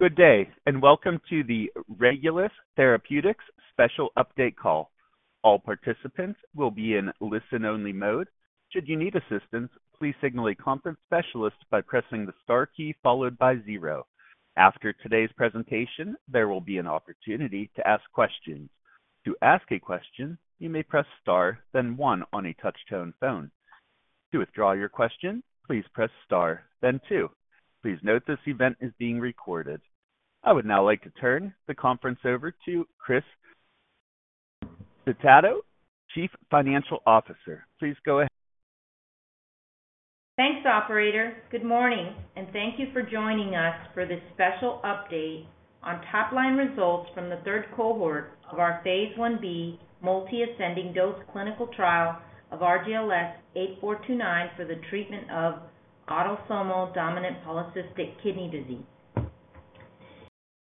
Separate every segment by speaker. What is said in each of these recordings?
Speaker 1: Good day, and welcome to the Regulus Therapeutics Special Update Call. All participants will be in listen-only mode. Should you need assistance, please signal a conference specialist by pressing the star key followed by zero. After today's presentation, there will be an opportunity to ask questions. To ask a question, you may press Star, then one on a touch-tone phone. To withdraw your question, please press Star, then two. Please note, this event is being recorded. I would now like to turn the conference over to Cris Calsada, Chief Financial Officer. Please go ahead.
Speaker 2: Thanks, operator. Good morning, and thank you for joining us for this special update on top-line results from the third cohort of our phase I-B multiple ascending-dose clinical trial of RGLS8429 for the treatment of autosomal dominant polycystic kidney disease.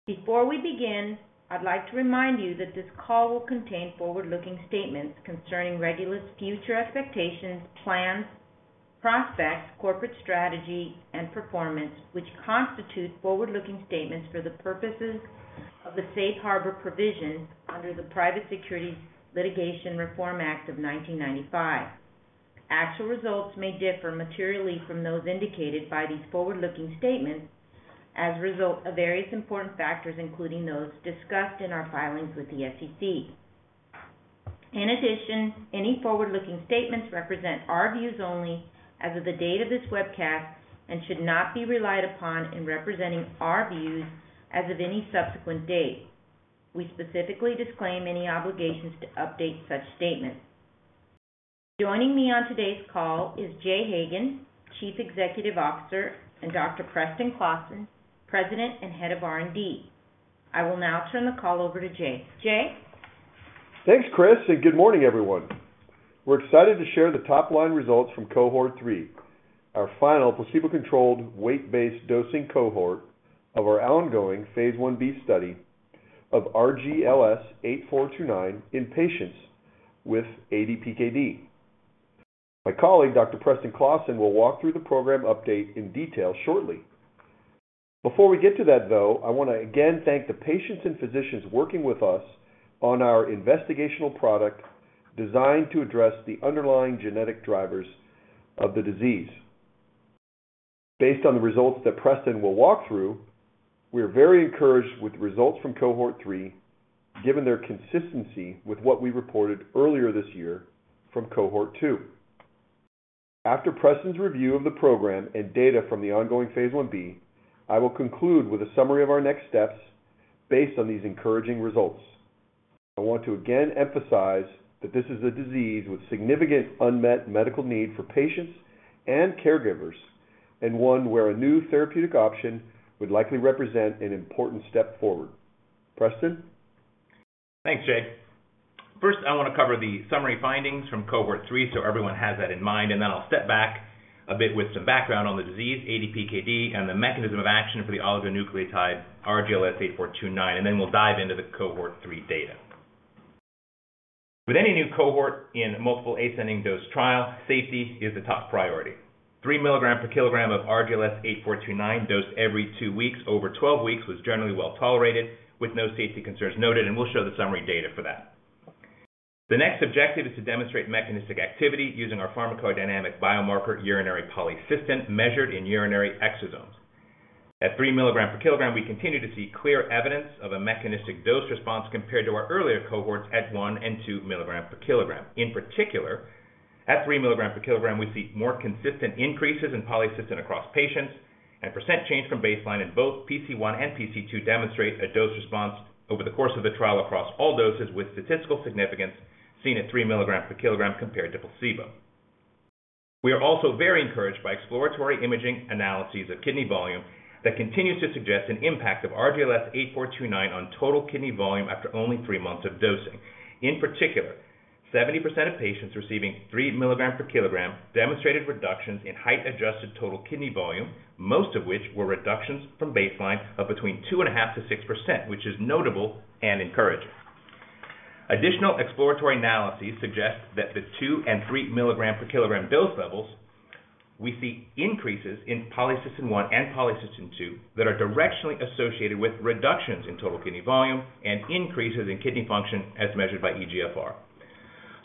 Speaker 2: Before we begin, I'd like to remind you that this call will contain forward-looking statements concerning Regulus future expectations, plans, prospects, corporate strategy, and performance, which constitute forward-looking statements for the purposes of the Safe Harbor provisions under the Private Securities Litigation Reform Act of 1995. Actual results may differ materially from those indicated by these forward-looking statements as a result of various important factors, including those discussed in our filings with the SEC. In addition, any forward-looking statements represent our views only as of the date of this webcast and should not be relied upon in representing our views as of any subsequent date. We specifically disclaim any obligations to update such statements. Joining me on today's call is Jay Hagan, Chief Executive Officer, and Dr. Preston Klassen, President and Head of R&D. I will now turn the call over to Jay. Jay?
Speaker 3: Thanks, Cris, and good morning, everyone. We're excited to share the top-line results from cohort 3, our final placebo-controlled, weight-based dosing cohort of our ongoing phase I-B study of RGLS8429 in patients with ADPKD. My colleague, Dr. Preston Klassen, will walk through the program update in detail shortly. Before we get to that, though, I want to again thank the patients and physicians working with us on our investigational product designed to address the underlying genetic drivers of the disease. Based on the results that Preston will walk through, we are very encouraged with the results from cohort 3, given their consistency with what we reported earlier this year from cohort 2. After Preston's review of the program and data from the ongoing phase I-B, I will conclude with a summary of our next steps based on these encouraging results. I want to again emphasize that this is a disease with significant unmet medical need for patients and caregivers, and one where a new therapeutic option would likely represent an important step forward. Preston?
Speaker 4: Thanks, Jay. First, I want to cover the summary findings from cohort 3 so everyone has that in mind, and then I'll step back a bit with some background on the disease, ADPKD, and the mechanism of action for the oligonucleotide RGLS8429, and then we'll dive into the cohort 3 data. With any new cohort in multiple ascending dose trial, safety is a top priority. 3 mg/kg of RGLS8429 dosed every two weeks over 12 weeks was generally well-tolerated with no safety concerns noted, and we'll show the summary data for that. The next objective is to demonstrate mechanistic activity using our pharmacodynamic biomarker, urinary polycystin, measured in urinary exosomes. At 3 mg/kg, we continue to see clear evidence of a mechanistic dose response compared to our earlier cohorts at 1 mg/kg and 2 mg/kg. In particular, at 3 mg/kg, we see more consistent increases in polycystin across patients, and percent change from baseline in both PC1 and PC2 demonstrate a dose response over the course of the trial across all doses, with statistical significance seen at 3 mg/kg compared to placebo. We are also very encouraged by exploratory imaging analyses of kidney volume that continues to suggest an impact of RGLS8429 on total kidney volume after only three months of dosing. In particular, 70% of patients receiving 3 mg/kg demonstrated reductions in height-adjusted total kidney volume, most of which were reductions from baseline of between 2.5% to 6%, which is notable and encouraging. Additional exploratory analyses suggest that the 2 mg/kg and 3 mg/kg dose levels, we see increases in polycystin-1 and polycystin-2 that are directionally associated with reductions in total kidney volume and increases in kidney function as measured by eGFR.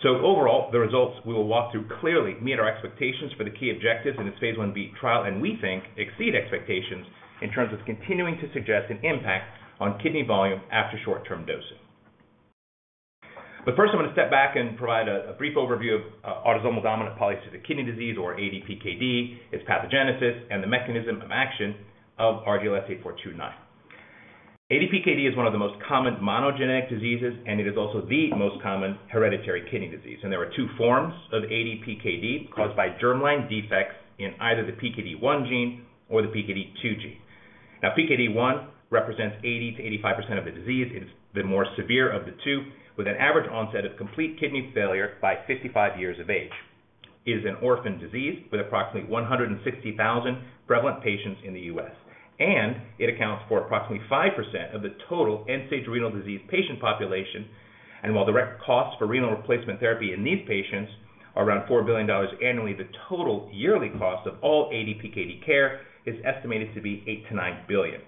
Speaker 4: So overall, the results we will walk through clearly meet our expectations for the key objectives in this phase I-B trial, and we think exceed expectations in terms of continuing to suggest an impact on kidney volume after short-term dosing. But first, I'm going to step back and provide a brief overview of autosomal dominant polycystic kidney disease or ADPKD, its pathogenesis, and the mechanism of action of RGLS8429. ADPKD is one of the most common monogenic diseases, and it is also the most common hereditary kidney disease. There are two forms of ADPKD, caused by germline defects in either the PKD1 gene or the PKD2 gene. Now, PKD1 represents 80%-85% of the disease. It is the more severe of the two, with an average onset of complete kidney failure by 55 years of age. It is an orphan disease with approximately 160,000 prevalent patients in the U.S., and it accounts for approximately 5% of the total end-stage renal disease patient population. And while direct costs for renal replacement therapy in these patients are around $4 billion annually, the total yearly cost of all ADPKD care is estimated to be $8 billion-$9 billion.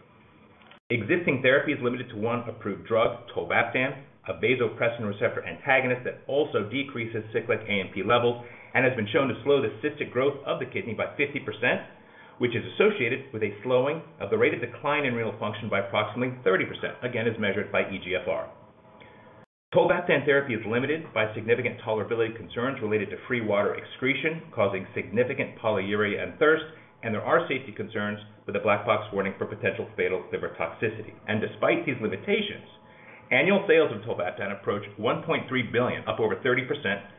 Speaker 4: Existing therapy is limited to one approved drug, tolvaptan, a vasopressin receptor antagonist that also decreases cyclic AMP levels and has been shown to slow the cystic growth of the kidney by 50%, which is associated with a slowing of the rate of decline in renal function by approximately 30%, again, as measured by eGFR. Tolvaptan therapy is limited by significant tolerability concerns related to free water excretion, causing significant polyuria and thirst, and there are safety concerns with a black box warning for potential fatal liver toxicity. Despite these limitations, annual sales of tolvaptan approach $1.3 billion, up over 30%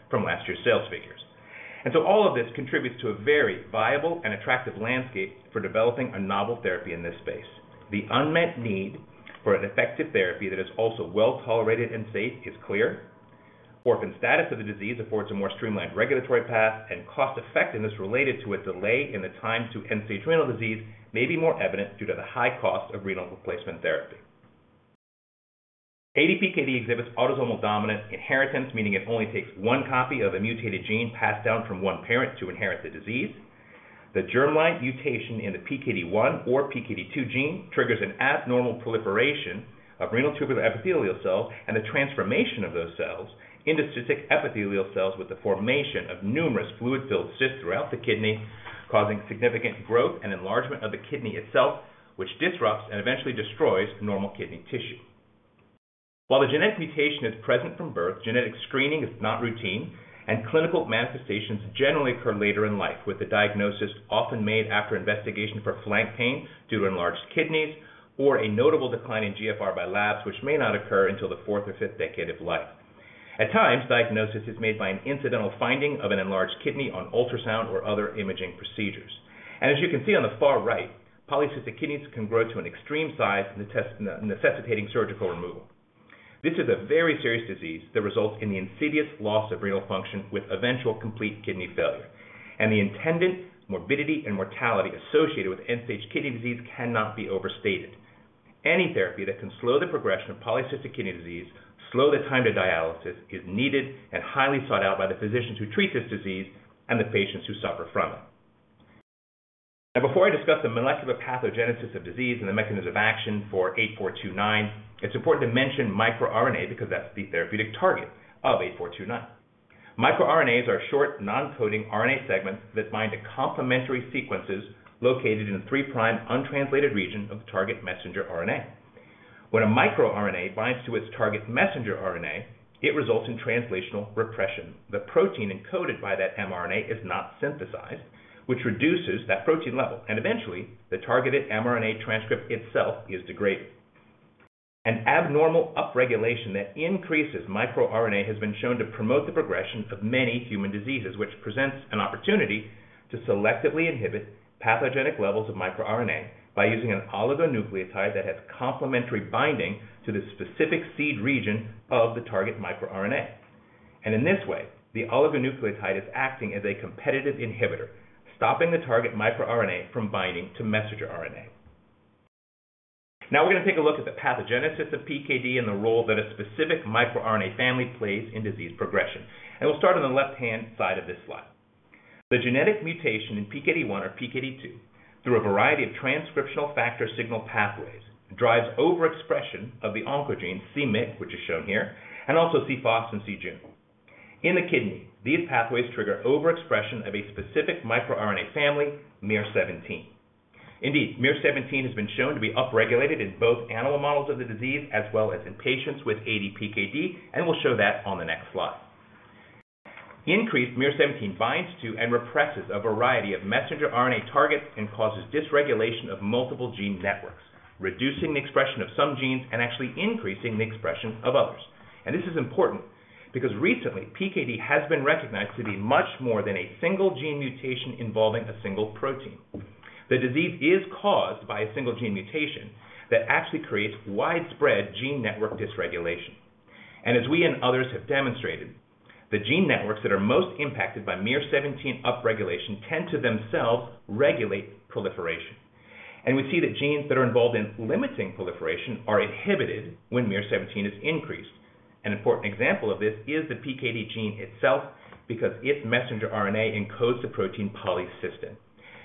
Speaker 4: from last year's sales figures. So all of this contributes to a very viable and attractive landscape for developing a novel therapy in this space. The unmet need for an effective therapy that is also well-tolerated and safe is clear. Orphan status of the disease affords a more streamlined regulatory path, and cost-effectiveness related to a delay in the time to end-stage renal disease may be more evident due to the high cost of renal replacement therapy. ADPKD exhibits autosomal dominant inheritance, meaning it only takes one copy of a mutated gene passed down from one parent to inherit the disease. The germline mutation in the PKD1 or PKD2 gene triggers an abnormal proliferation of renal tubular epithelial cells and the transformation of those cells into cystic epithelial cells with the formation of numerous fluid-filled cysts throughout the kidney, causing significant growth and enlargement of the kidney itself, which disrupts and eventually destroys normal kidney tissue. While the genetic mutation is present from birth, genetic screening is not routine, and clinical manifestations generally occur later in life, with the diagnosis often made after investigation for flank pain due to enlarged kidneys, or a notable decline in GFR by labs, which may not occur until the fourth or fifth decade of life. At times, diagnosis is made by an incidental finding of an enlarged kidney on ultrasound or other imaging procedures. As you can see on the far right, polycystic kidneys can grow to an extreme size, necessitating surgical removal. This is a very serious disease that results in the insidious loss of renal function with eventual complete kidney failure, and the intended morbidity and mortality associated with end-stage kidney disease cannot be overstated. Any therapy that can slow the progression of polycystic kidney disease, slow the time to dialysis, is needed and highly sought out by the physicians who treat this disease and the patients who suffer from it. Now, before I discuss the molecular pathogenesis of disease and the mechanism of action for 8429, it's important to mention microRNA, because that's the therapeutic target of 8429. MicroRNAs are short, non-coding RNA segments that bind to complementary sequences located in the 3-prime untranslated region of the target messenger RNA. When a microRNA binds to its target messenger RNA, it results in translational repression. The protein encoded by that mRNA is not synthesized, which reduces that protein level, and eventually, the targeted mRNA transcript itself is degraded. An abnormal upregulation that increases cohort has been shown to promote the progression of many human diseases, which presents an opportunity to selectively inhibit pathogenic levels of microRNA by using an oligonucleotide that has complementary binding to the specific seed region of the target microRNA. In this way, the oligonucleotide is acting as a competitive inhibitor, stopping the target microRNA from binding to messenger RNA. Now we're going to take a look at the pathogenesis of PKD and the role that a specific microRNA family plays in disease progression, and we'll start on the left-hand side of this slide. The genetic mutation in PKD1 or PKD2, through a variety of transcription factor signaling pathways, drives overexpression of the oncogene c-Myc, which is shown here, and also c-Fos and c-Jun. In the kidney, these pathways trigger overexpression of a specific microRNA family, miR-17. Indeed, miR-17 has been shown to be upregulated in both animal models of the disease as well as in patients with ADPKD, and we'll show that on the next slide. Increased miR-17 binds to and represses a variety of messenger RNA targets and causes dysregulation of multiple gene networks, reducing the expression of some genes and actually increasing the expression of others. This is important because recently, PKD has been recognized to be much more than a single gene mutation involving a single protein. The disease is caused by a single gene mutation that actually creates widespread gene network dysregulation. As we and others have demonstrated, the gene networks that are most impacted by miR-17 upregulation tend to themselves regulate proliferation. We see that genes that are involved in limiting proliferation are inhibited when miR-17 is increased. An important example of this is the PKD gene itself, because its messenger RNA encodes the protein polycystin,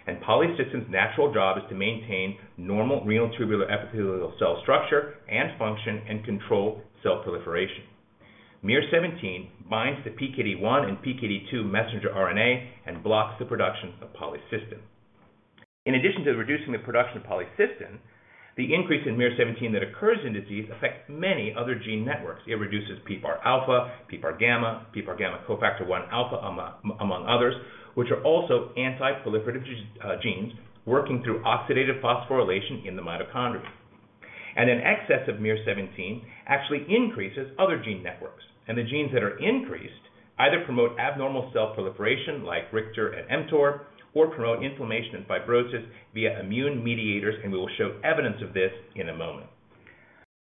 Speaker 4: and polycystin's natural job is to maintain normal renal tubular epithelial cell structure and function and control cell proliferation. miR-17 binds the PKD1 and PKD2 messenger RNA and blocks the production of polycystin. In addition to reducing the production of polycystin, the increase in miR-17 that occurs in disease affects many other gene networks. It reduces PPAR-alpha, PPAR-gamma, PPAR-gamma cofactor-1 alpha, among others, which are also anti-proliferative genes working through oxidative phosphorylation in the mitochondria. And an excess of miR-17 actually increases other gene networks, and the genes that are increased either promote abnormal cell proliferation like RICTOR and mTOR, or promote inflammation and fibrosis via immune mediators, and we will show evidence of this in a moment.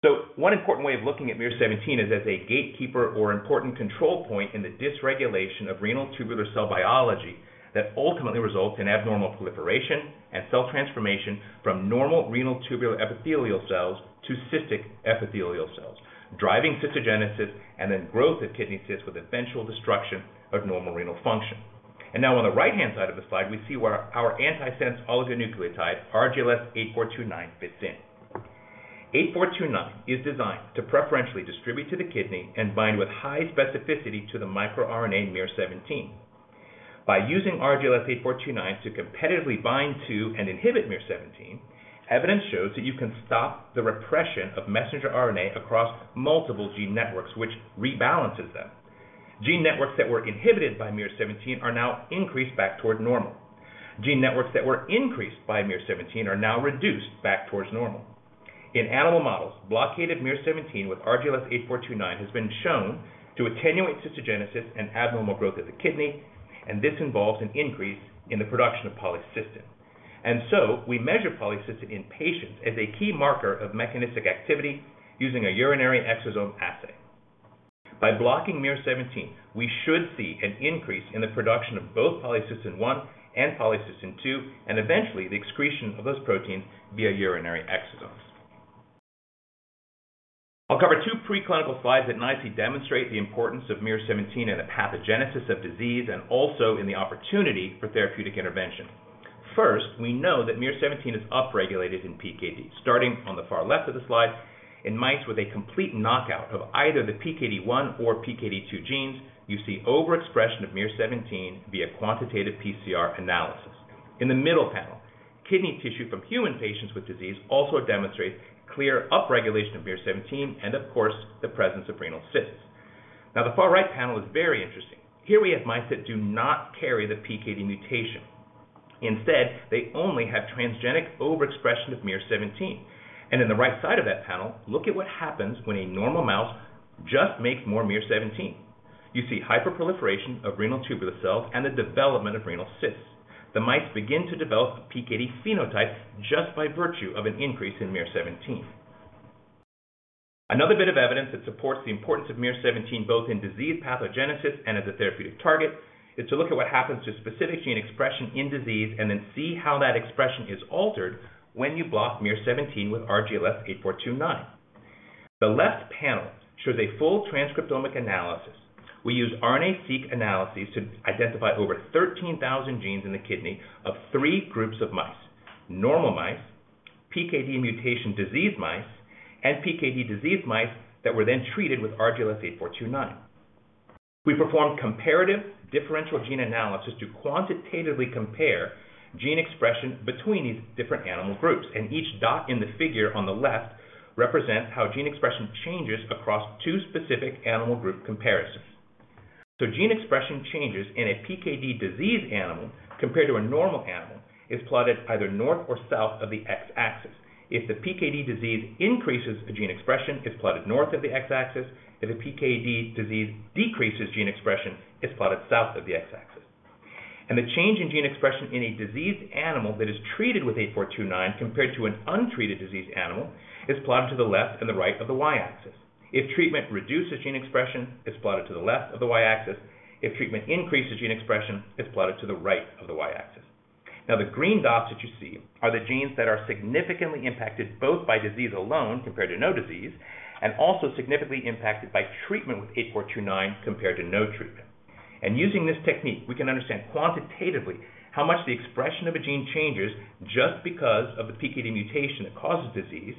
Speaker 4: So one important way of looking at miR-17 is as a gatekeeper or important control point in the dysregulation of renal tubular cell biology that ultimately results in abnormal proliferation and cell transformation from normal renal tubular epithelial cells to cystic epithelial cells, driving cystogenesis and then growth of kidney cysts with eventual destruction of normal renal function. And now on the right-hand side of the slide, we see where our antisense oligonucleotide, RGL8429, fits in. RGLS8429 is designed to preferentially distribute to the kidney and bind with high specificity to the microRNA miR-17. By using RGLS8429 to competitively bind to and inhibit miR-17, evidence shows that you can stop the repression of messenger RNA across multiple gene networks, which rebalances them. Gene networks that were inhibited by miR-17 are now increased back toward normal. Gene networks that were increased by miR-17 are now reduced back towards normal. In animal models, blockaded miR-17 with RGLS8429 has been shown to attenuate cystogenesis and abnormal growth of the kidney, and this involves an increase in the production of polycystin. So we measure polycystin in patients as a key marker of mechanistic activity using a urinary exosome assay. By blocking miR-17, we should see an increase in the production of both polycystin-1 and polycystin-2, and eventually the excretion of those proteins via urinary exosomes. I'll cover 2 preclinical slides that nicely demonstrate the importance of miR-17 in the pathogenesis of disease and also in the opportunity for therapeutic intervention. First, we know that miR-17 is upregulated in PKD. Starting on the far left of the slide, in mice with a complete knockout of either the PKD1 or PKD2 genes, you see overexpression of miR-17 via quantitative PCR analysis. In the middle panel, kidney tissue from human patients with disease also demonstrates clear upregulation of miR-17 and, of course, the presence of renal cysts. Now, the far right panel is very interesting. Here we have mice that do not carry the PKD mutation. Instead, they only have transgenic overexpression of miR-17. And in the right side of that panel, look at what happens when a normal mouse just makes more miR-17. You see hyperproliferation of renal tubular cells and the development of renal cysts. The mice begin to develop a PKD phenotype just by virtue of an increase in miR-17. Another bit of evidence that supports the importance of miR-17, both in disease pathogenesis and as a therapeutic target, is to look at what happens to specific gene expression in disease and then see how that expression is altered when you block miR-17 with RGLS8429. The left panel shows a full transcriptomic analysis. We used RNA-Seq analyses to identify over 13,000 genes in the kidney of three groups of mice: normal mice, PKD mutation disease mice, and PKD disease mice that were then treated with RGLS8429. We performed comparative differential gene analysis to quantitatively compare gene expression between these different animal groups, and each dot in the figure on the left represents how gene expression changes across two specific animal group comparisons. So gene expression changes in a PKD disease animal compared to a normal animal is plotted either north or south of the X-axis. If the PKD disease increases the gene expression, it's plotted north of the X-axis. If the PKD disease decreases gene expression, it's plotted south of the X-axis. And the change in gene expression in a diseased animal that is treated with 8429 compared to an untreated diseased animal, is plotted to the left and the right of the Y-axis. If treatment reduces gene expression, it's plotted to the left of the Y-axis. If treatment increases gene expression, it's plotted to the right of the Y-axis. Now, the green dots that you see are the genes that are significantly impacted, both by disease alone compared to no disease, and also significantly impacted by treatment with 8429 compared to no treatment. Using this technique, we can understand quantitatively how much the expression of a gene changes just because of the PKD mutation that causes disease,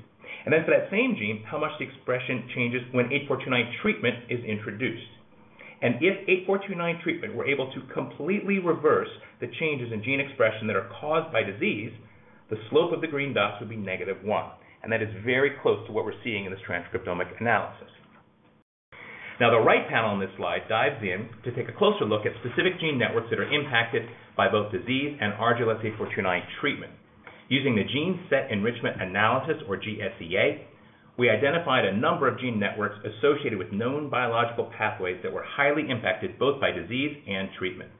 Speaker 4: and then for that same gene, how much the expression changes when RGLS8429 treatment is introduced. If RGLS8429 treatment were able to completely reverse the changes in gene expression that are caused by disease, the slope of the green dots would be -1, and that is very close to what we're seeing in this transcriptomic analysis. Now, the right panel on this slide dives in to take a closer look at specific gene networks that are impacted by both disease and RGLS8429 treatment. Using the Gene Set Enrichment Analysis, or GSEA, we identified a number of gene networks associated with known biological pathways that were highly impacted, both by disease and treatment.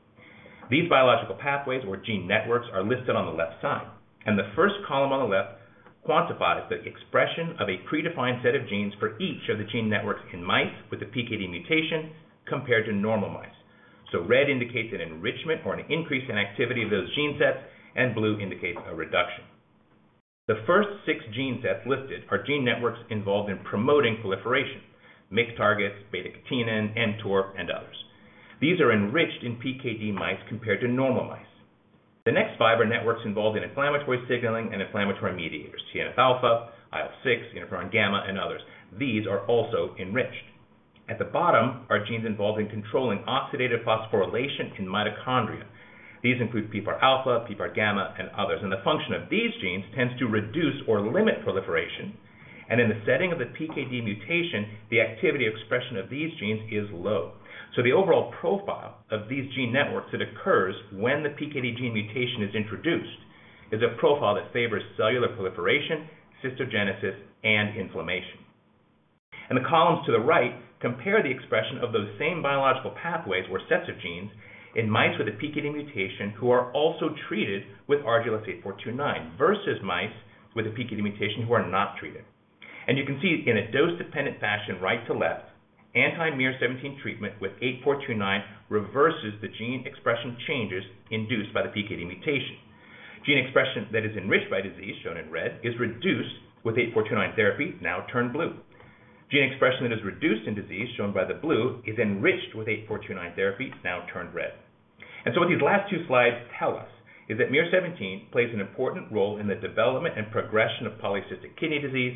Speaker 4: These biological pathways or gene networks are listed on the left side, and the first column on the left quantifies the expression of a predefined set of genes for each of the gene networks in mice with the PKD mutation compared to normal mice. So red indicates an enrichment or an increase in activity of those gene sets, and blue indicates a reduction. The first six gene sets listed are gene networks involved in promoting proliferation, MYC targets, β-catenin, mTOR, and others. These are enriched in PKD mice compared to normal mice. The next five are networks involved in inflammatory signaling and inflammatory mediators, TNF-alpha, IL-6, interferon gamma, and others. These are also enriched. At the bottom are genes involved in controlling oxidative phosphorylation in mitochondria. These include PPAR-alpha, PPAR-gamma, and others. The function of these genes tends to reduce or limit proliferation. In the setting of the PKD mutation, the activity expression of these genes is low. So the overall profile of these gene networks that occurs when the PKD gene mutation is introduced is a profile that favors cellular proliferation, cystogenesis, and inflammation. The columns to the right compare the expression of those same biological pathways or sets of genes in mice with a PKD mutation who are also treated with RGLS8429, versus mice with a PKD mutation who are not treated. You can see in a dose-dependent fashion, right to left, anti-miR-17 treatment with 8429 reverses the gene expression changes induced by the PKD mutation. Gene expression that is enriched by disease, shown in red, is reduced with 8429 therapy, now turned blue. Gene expression that is reduced in disease, shown by the blue, is enriched with RGLS8429 therapy, now turned red. So what these last two slides tell us is that miR-17 plays an important role in the development and progression of polycystic kidney disease,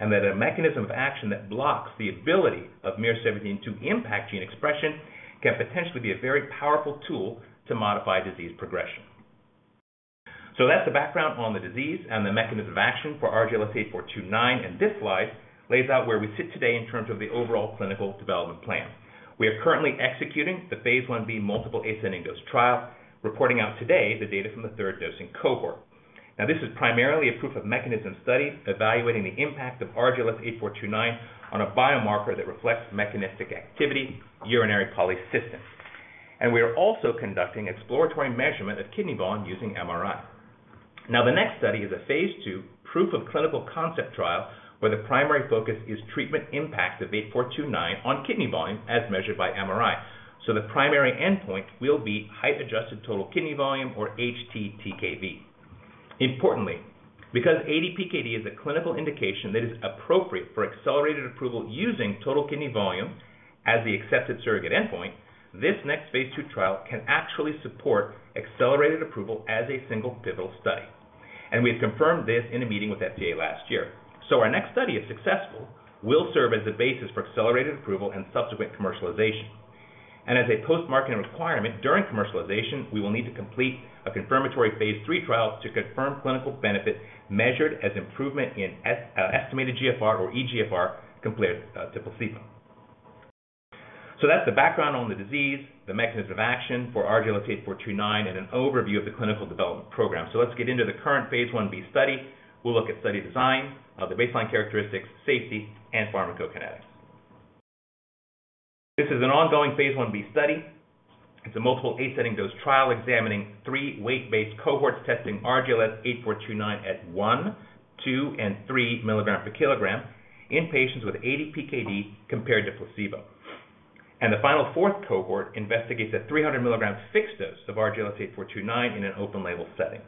Speaker 4: and that a mechanism of action that blocks the ability of miR-17 to impact gene expression can potentially be a very powerful tool to modify disease progression. That's the background on the disease and the mechanism of action for RGLS8429, and this slide lays out where we sit today in terms of the overall clinical development plan. We are currently executing the phase I-B multiple ascending-dose trial, reporting out today the data from the third dosing cohort. Now, this is primarily a proof-of-mechanism study, evaluating the impact of RGLS8429 on a biomarker that reflects mechanistic activity, urinary polycystin. We are also conducting exploratory measurement of kidney volume using MRI. Now, the next study is a phase II proof-of-clinical-concept trial, where the primary focus is treatment impact of 8429 on kidney volume as measured by MRI. The primary endpoint will be height-adjusted total kidney volume or htTKV. Importantly, because ADPKD is a clinical indication that is appropriate for accelerated approval using total kidney volume as the accepted surrogate endpoint, this next phase II trial can actually support accelerated approval as a single pivotal study, and we've confirmed this in a meeting with FDA last year. Our next study, if successful, will serve as the basis for accelerated approval and subsequent commercialization. As a post-marketing requirement, during commercialization, we will need to complete a confirmatory phase III trial to confirm clinical benefit, measured as improvement in estimated GFR or eGFR, compared to placebo. So that's the background on the disease, the mechanism of action for RGLS8429, and an overview of the clinical development program. So let's get into the current phase I-B study. We'll look at study design, the baseline characteristics, safety, and pharmacokinetics. This is an ongoing phase I-B study. It's a multiple ascending-dose trial examining three weight-based cohorts, testing RGLS8429 at 1, 2, and 3 mg/kg in patients with ADPKD compared to placebo. And the final fourth cohort investigates a 300 mg fixed dose of RGLS8429 in an open label setting.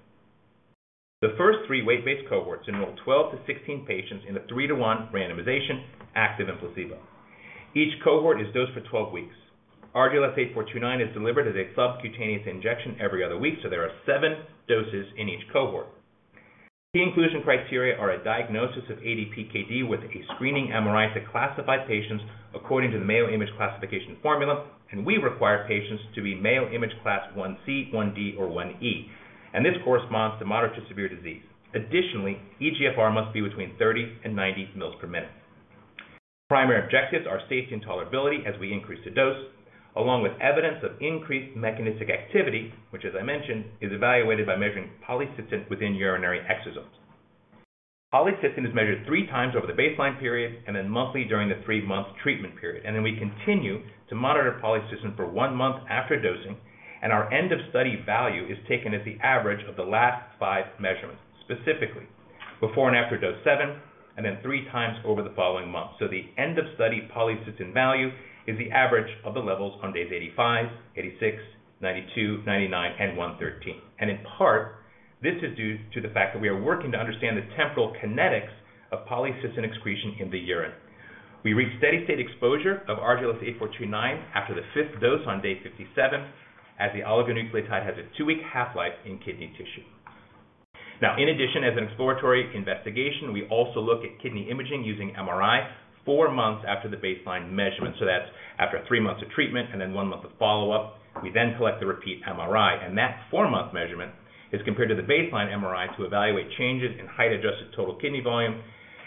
Speaker 4: The first three weight-based cohorts enroll 12 to 16 patients in a 3:1 randomization, active and placebo. Each cohort is dosed for 12 weeks. RGLS-429 is delivered as a subcutaneous injection every other week, so there are seven doses in each cohort. The inclusion criteria are a diagnosis of ADPKD with a screening MRI to classify patients according to the Mayo Imaging Classification formula, and we require patients to be Mayo Imaging Class 1C, 1D, or 1E. This corresponds to moderate to severe disease. Additionally, eGFR must be between 30 and 90 mL/min. Primary objectives are safety and tolerability as we increase the dose, along with evidence of increased mechanistic activity, which, as I mentioned, is evaluated by measuring polycystin within urinary exosomes. Polycystin is measured 3x over the baseline period and then monthly during the three-month treatment period. Then we continue to monitor polycystin for one month after dosing, and our end-of-study value is taken as the average of the last five measurements, specifically before and after dose seven, and then 3x over the following month. The end-of-study polycystin value is the average of the levels on days 85, 86, 92, 99, and 113. In part, this is due to the fact that we are working to understand the temporal kinetics of polycystin excretion in the urine. We reach steady state exposure of RGLS8429 after the fifth dose on day 57, as the oligonucleotide has a two-week half-life in kidney tissue. In addition, as an exploratory investigation, we also look at kidney imaging using MRI four months after the baseline measurement. That's after three months of treatment and then one month of follow-up. We then collect the repeat MRI, and that four-month measurement is compared to the baseline MRI to evaluate changes in height-adjusted total kidney volume,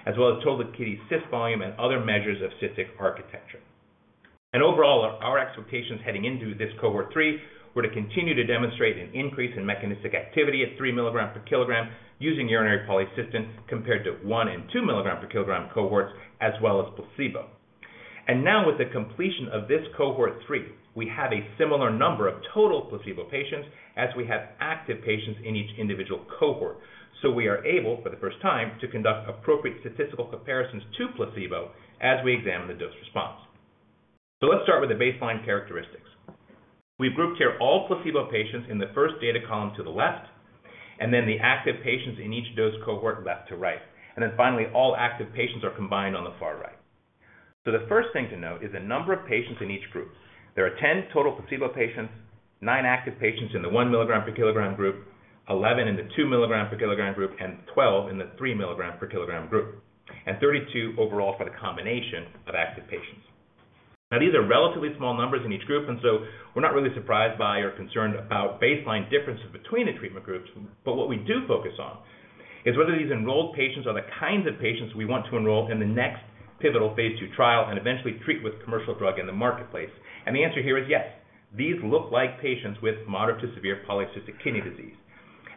Speaker 4: as well as total kidney cyst volume and other measures of cystic architecture. And overall, our, our expectations heading into this cohort 3, were to continue to demonstrate an increase in mechanistic activity at 3 mg/kg using urinary polycystin, compared to 1 mg/kg and 2 mg/kg cohorts, as well as placebo. And now with the completion of this cohort 3, we have a similar number of total placebo patients as we have active patients in each individual cohort. So we are able, for the first time, to conduct appropriate statistical comparisons to placebo as we examine the dose response. So let's start with the baseline characteristics. We've grouped here all placebo patients in the first data column to the left, and then the active patients in each dose cohort left to right. And then finally, all active patients are combined on the far right. So the first thing to note is the number of patients in each group. There are 10 total placebo patients, nine active patients in the 1 mg/kg group, 11 in the 2 mg/kg group, and 12 in the 3 mg/kg group, and 32 overall for the combination of active patients. Now, these are relatively small numbers in each group, and so we're not really surprised by or concerned about baseline differences between the treatment groups. But what we do focus on is whether these enrolled patients are the kinds of patients we want to enroll in the next pivotal phase II trial and eventually treat with commercial drug in the marketplace. And the answer here is yes, these look like patients with moderate to severe polycystic kidney disease.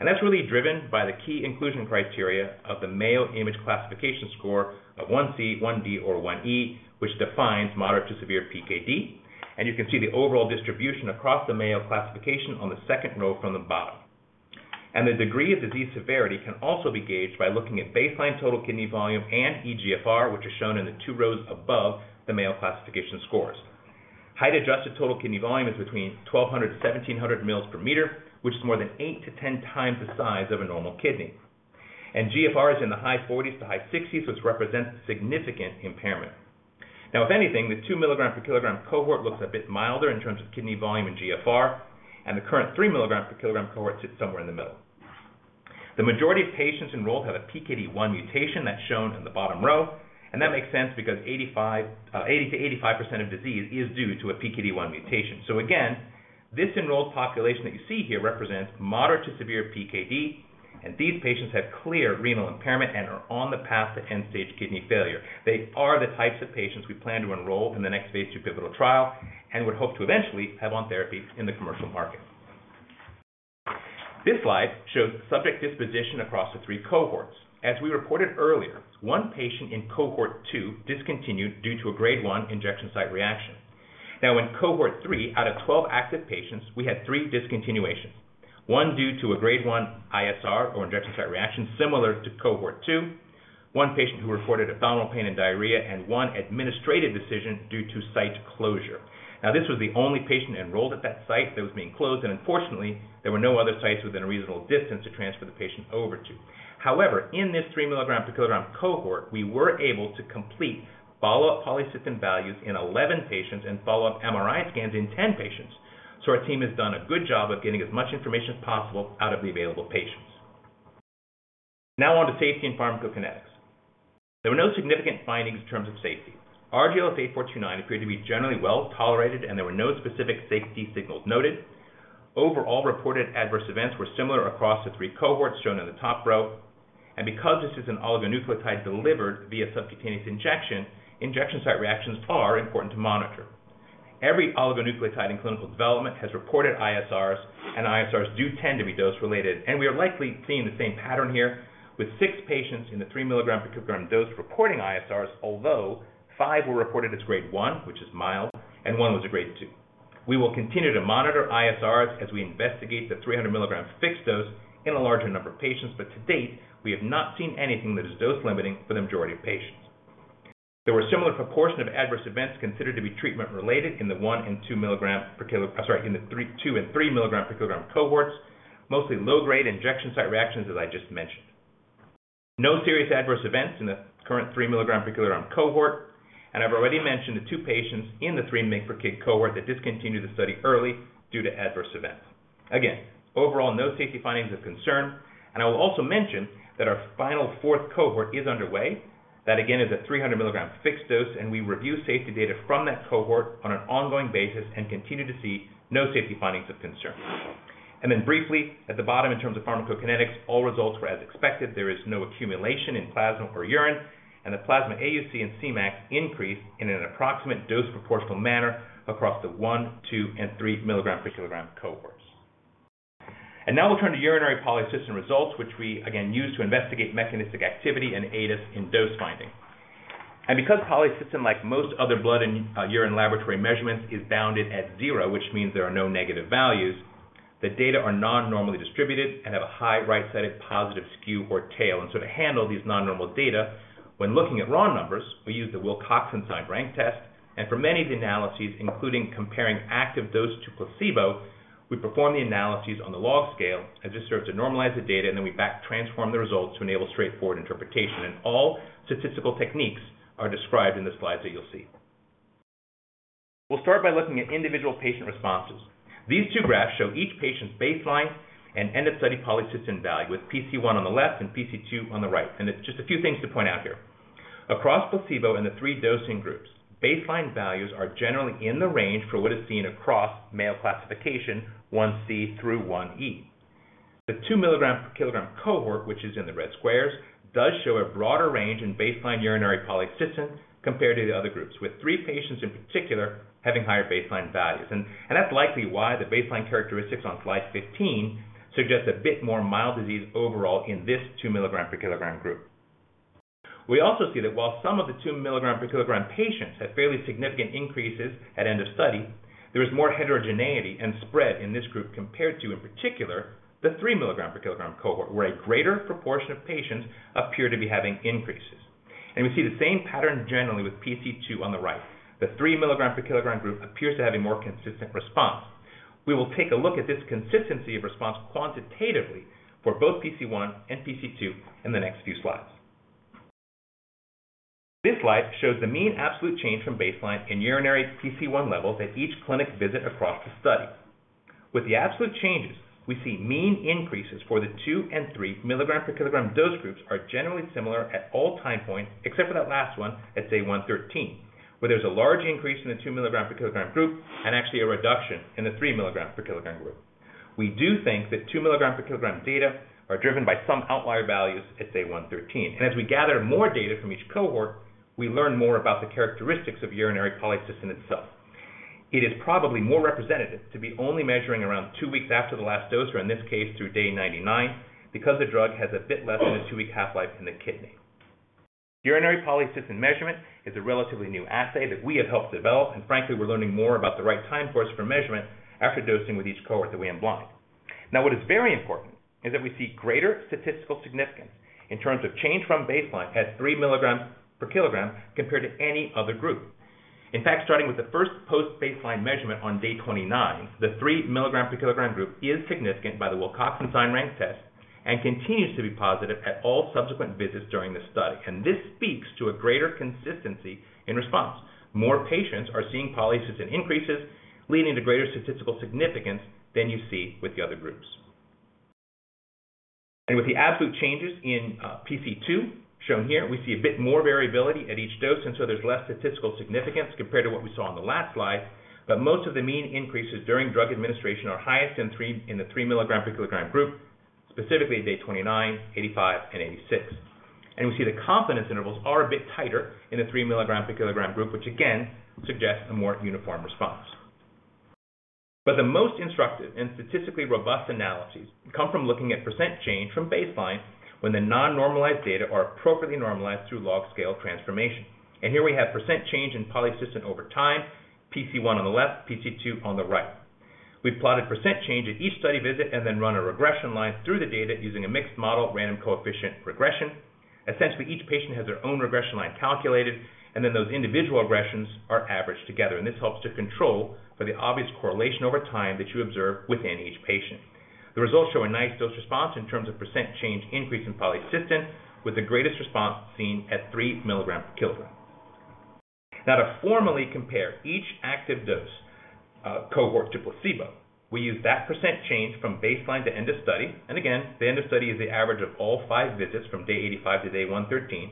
Speaker 4: And that's really driven by the key inclusion criteria of the Mayo Imaging Classification score of 1C, 1D, or 1E, which defines moderate to severe PKD. And you can see the overall distribution across the Mayo classification on the second row from the bottom. And the degree of disease severity can also be gauged by looking at baseline total kidney volume and eGFR, which is shown in the two rows above the Mayo classification scores. Height-adjusted total kidney volume is between 1200 mL/m-1700 mL/m, which is more than 8x-10x the size of a normal kidney. GFR is in the high 40s-high 60s, which represents significant impairment. Now, if anything, the 2 mg/kg cohort looks a bit milder in terms of kidney volume and GFR, and the current 3 mg/kg cohort sits somewhere in the middle. The majority of patients enrolled have a PKD1 mutation that's shown in the bottom row, and that makes sense because 85%, 80%- 85% of disease is due to a PKD1 mutation. So again, this enrolled population that you see here represents moderate to severe PKD, and these patients have clear renal impairment and are on the path to end-stage kidney failure. They are the types of patients we plan to enroll in the next phase II pivotal trial and would hope to eventually have on therapy in the commercial market. This slide shows subject disposition across the three cohorts. As we reported earlier, one patient in cohort 2 discontinued due to a Grade 1 injection site reaction. Now, in cohort 3, out of 12 active patients, we had three discontinuations. One due to a Grade 1 ISR, or injection site reaction, similar to cohort 2, one patient who reported abdominal pain and diarrhea, and one administrative decision due to site closure. Now, this was the only patient enrolled at that site that was being closed, and unfortunately, there were no other sites within a reasonable distance to transfer the patient over to. However, in this 3 mg/kg cohort, we were able to complete follow-up polycystin values in 11 patients and follow-up MRI scans in 10 patients. So our team has done a good job of getting as much information as possible out of the available patients. Now on to safety and pharmacokinetics. There were no significant findings in terms of safety. RGLS8429 appeared to be generally well-tolerated, and there were no specific safety signals noted. Overall, reported adverse events were similar across the three cohorts shown in the top row. And because this is an oligonucleotide delivered via subcutaneous injection, injection site reactions are important to monitor. Every oligonucleotide in clinical development has reported ISRs, and ISRs do tend to be dose-related, and we are likely seeing the same pattern here with 6 patients in the 3 mg/kg dose reporting ISRs. Although five were reported as Grade 1, which is mild, and one was a Grade 2. We will continue to monitor ISRs as we investigate the 300 mg fixed-dose in a larger number of patients, but to date, we have not seen anything that is dose-limiting for the majority of patients. There were a similar proportion of adverse events considered to be treatment-related in the 1 mg/kg and 2 mg/kg... I'm sorry, in the 2 mg/kg and 3 mg/kg cohorts, mostly low-grade injection site reactions, as I just mentioned. No serious adverse events in the current 3 mg/kg cohort, and I've already mentioned the two patients in the 3 mg/kg cohort that discontinued the study early due to adverse events. Again, overall, no safety findings of concern. And I will also mention that our final fourth cohort is underway. That, again, is a 300 mg fixed dose, and we review safety data from that cohort on an ongoing basis and continue to see no safety findings of concern. And then briefly, at the bottom, in terms of pharmacokinetics, all results were as expected. There is no accumulation in plasma or urine, and the plasma AUC and Cmax increased in an approximate dose proportional manner across the 1, 2, and 3 mg/kg cohorts. And now we'll turn to urinary polycystin results, which we again use to investigate mechanistic activity and aid us in dose finding. And because polycystin, like most other blood and urine laboratory measurements, is bounded at zero, which means there are no negative values, the data are not normally distributed and have a high right-sided positive skew or tail. To handle these non-normal data, when looking at raw numbers, we use the Wilcoxon signed-rank test. For many of the analyses, including comparing active dose to placebo, we perform the analyses on the log scale as this serves to normalize the data, and then we back-transform the results to enable straightforward interpretation. All statistical techniques are described in the slides that you'll see. We'll start by looking at individual patient responses. These two graphs show each patient's baseline and end of study polycystin value, with PC1 on the left and PC2 on the right. It's just a few things to point out here. Across placebo in the three dosing groups, baseline values are generally in the range for what is seen across Mayo Imaging Classification, 1C through 1E. The 2 mg/kg cohort, which is in the red squares, does show a broader range in baseline urinary polycystin compared to the other groups, with 3 patients in particular having higher baseline values. and that's likely why the baseline characteristics on slide 15 suggests a bit more mild disease overall in this 2 mg/kg group. We also see that while some of the 2 mg/kg patients had fairly significant increases at end of study, there was more heterogeneity and spread in this group compared to, in particular, the 3 mg/kg cohort, where a greater proportion of patients appear to be having increases. And we see the same pattern generally with PC2 on the right. The 3 mg/kg group appears to have a more consistent response. We will take a look at this consistency of response quantitatively for both PC1 and PC2 in the next few slides. This slide shows the mean absolute change from baseline in urinary PC1 levels at each clinic visit across the study. With the absolute changes, we see mean increases for the 2 mg/kg and 3 mg/kg dose groups are generally similar at all time points, except for that last one at day 113, where there's a large increase in the 2 mg/kg group and actually a reduction in the 3 mg/kg group. We do think that 2 mg/kg data are driven by some outlier values at day 113. As we gather more data from each cohort, we learn more about the characteristics of urinary polycystin itself. It is probably more representative to be only measuring around 2 weeks after the last dose, or in this case, through day 99, because the drug has a bit less than a 2-week half-life in the kidney. Urinary polycystin measurement is a relatively new assay that we have helped develop, and frankly, we're learning more about the right time course for measurement after dosing with each cohort that we unblind. Now, what is very important is that we see greater statistical significance in terms of change from baseline at 3 mg/kg compared to any other group. In fact, starting with the first post-baseline measurement on day 29, the 3 mg/kg group is significant by the Wilcoxon Signed-Rank Test and continues to be positive at all subsequent visits during this study. This speaks to a greater consistency in response. More patients are seeing polycystin increases, leading to greater statistical significance than you see with the other groups. With the absolute changes in PC2, shown here, we see a bit more variability at each dose, and so there's less statistical significance compared to what we saw on the last slide. But most of the mean increases during drug administration are highest in the 3 mg/kg group, specifically day 29, 85, and 86. We see the confidence intervals are a bit tighter in the 3 mg/kg group, which again suggests a more uniform response. But the most instructive and statistically robust analyses come from looking at percent change from baseline when the non-normalized data are appropriately normalized through log scale transformation. Here we have percent change in polycystin over time, PC1 on the left, PC2 on the right. We've plotted percent change at each study visit and then run a regression line through the data using a mixed model, random coefficient regression. Essentially, each patient has their own regression line calculated, and then those individual regressions are averaged together, and this helps to control for the obvious correlation over time that you observe within each patient. The results show a nice dose response in terms of percent change increase in polycystin, with the greatest response seen at 3 mg/kg. Now, to formally compare each active dose cohort to placebo, we use that percent change from baseline to end of study. Again, the end of study is the average of all five visits from day 85 to day 113.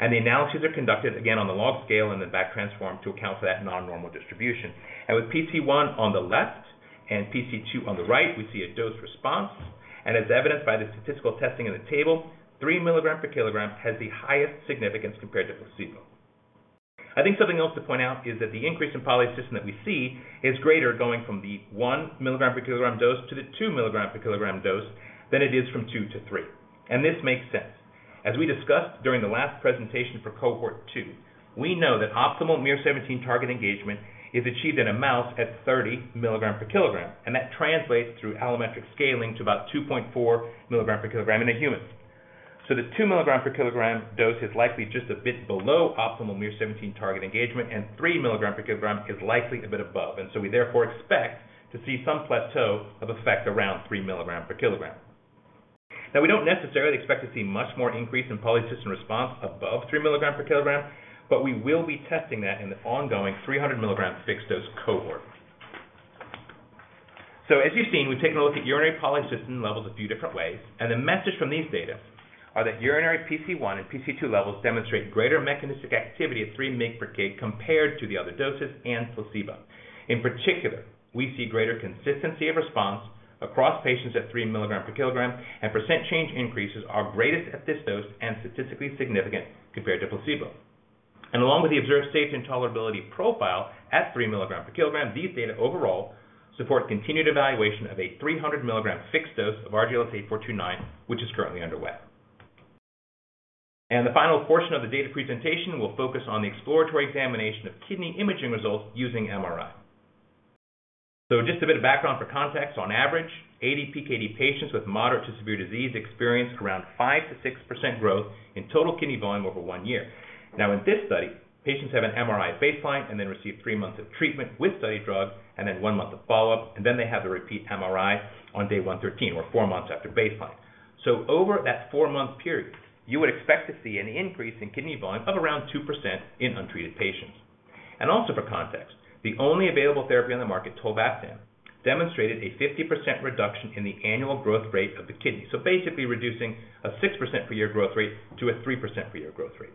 Speaker 4: The analyses are conducted again on the log scale, and then back transformed to account for that non-normal distribution. With PC1 on the left and PC2 on the right, we see a dose response, and as evidenced by the statistical testing in the table, 3 mg/kg has the highest significance compared to placebo. I think something else to point out is that the increase in polycystin that we see is greater going from the 1 mg/kg dose to the 2 mg/kg dose than it is from 2 mg/kg to 3 mg/kg, and this makes sense. As we discussed during the last presentation for cohort 2, we know that optimal miR-17 target engagement is achieved in a mouse at 30 mg/kg, and that translates through allometric scaling to about 2.4 mg/kg in a human. So the 2 mg/kg dose is likely just a bit below optimal miR-17 target engagement, and 3 mg/kg is likely a bit above. And so we therefore expect to see some plateau of effect around 3 mg/kg. Now, we don't necessarily expect to see much more increase in polycystin response above 3 mg/kg, but we will be testing that in the ongoing 300 mg fixed-dose cohort. So as you've seen, we've taken a look at urinary polycystin levels a few different ways, and the message from these data are that urinary PC1 and PC2 levels demonstrate greater mechanistic activity at 3 mg/kg, compared to the other doses and placebo. In particular, we see greater consistency of response across patients at 3 mg/kg, and percent change increases are greatest at this dose and statistically significant compared to placebo. Along with the observed safety and tolerability profile at 3 mg/kg, these data overall support continued evaluation of a 300 mg fixed dose of RGLS8429, which is currently underway. The final portion of the data presentation will focus on the exploratory examination of kidney imaging results using MRI. Just a bit of background for context. On average, ADPKD patients with moderate to severe disease experience around 5%-6% growth in total kidney volume over one year. Now, in this study, patients have an MRI baseline and then receive three months of treatment with study drugs, and then one month of follow-up, and then they have a repeat MRI on day 113 or four months after baseline. Over that four-month period, you would expect to see an increase in kidney volume of around 2% in untreated patients. Also for context, the only available therapy on the market, tolvaptan, demonstrated a 50% reduction in the annual growth rate of the kidney. So basically reducing a 6% per year growth rate to a 3% per year growth rate.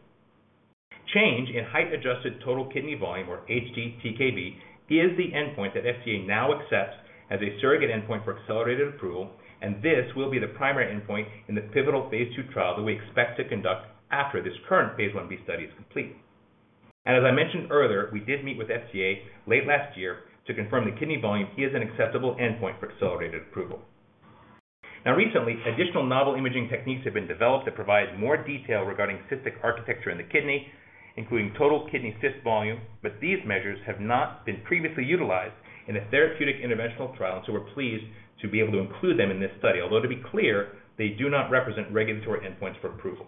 Speaker 4: Change in height-adjusted total kidney volume, or htTKV, is the endpoint that FDA now accepts as a surrogate endpoint for accelerated approval, and this will be the primary endpoint in the pivotal phase II trial that we expect to conduct after this current phase I-B study is complete. As I mentioned earlier, we did meet with FDA late last year to confirm the kidney volume is an acceptable endpoint for accelerated approval. Now recently, additional novel imaging techniques have been developed that provide more detail regarding cystic architecture in the kidney, including total kidney cyst volume, but these measures have not been previously utilized in a therapeutic interventional trial, so we're pleased to be able to include them in this study, although to be clear, they do not represent regulatory endpoints for approval.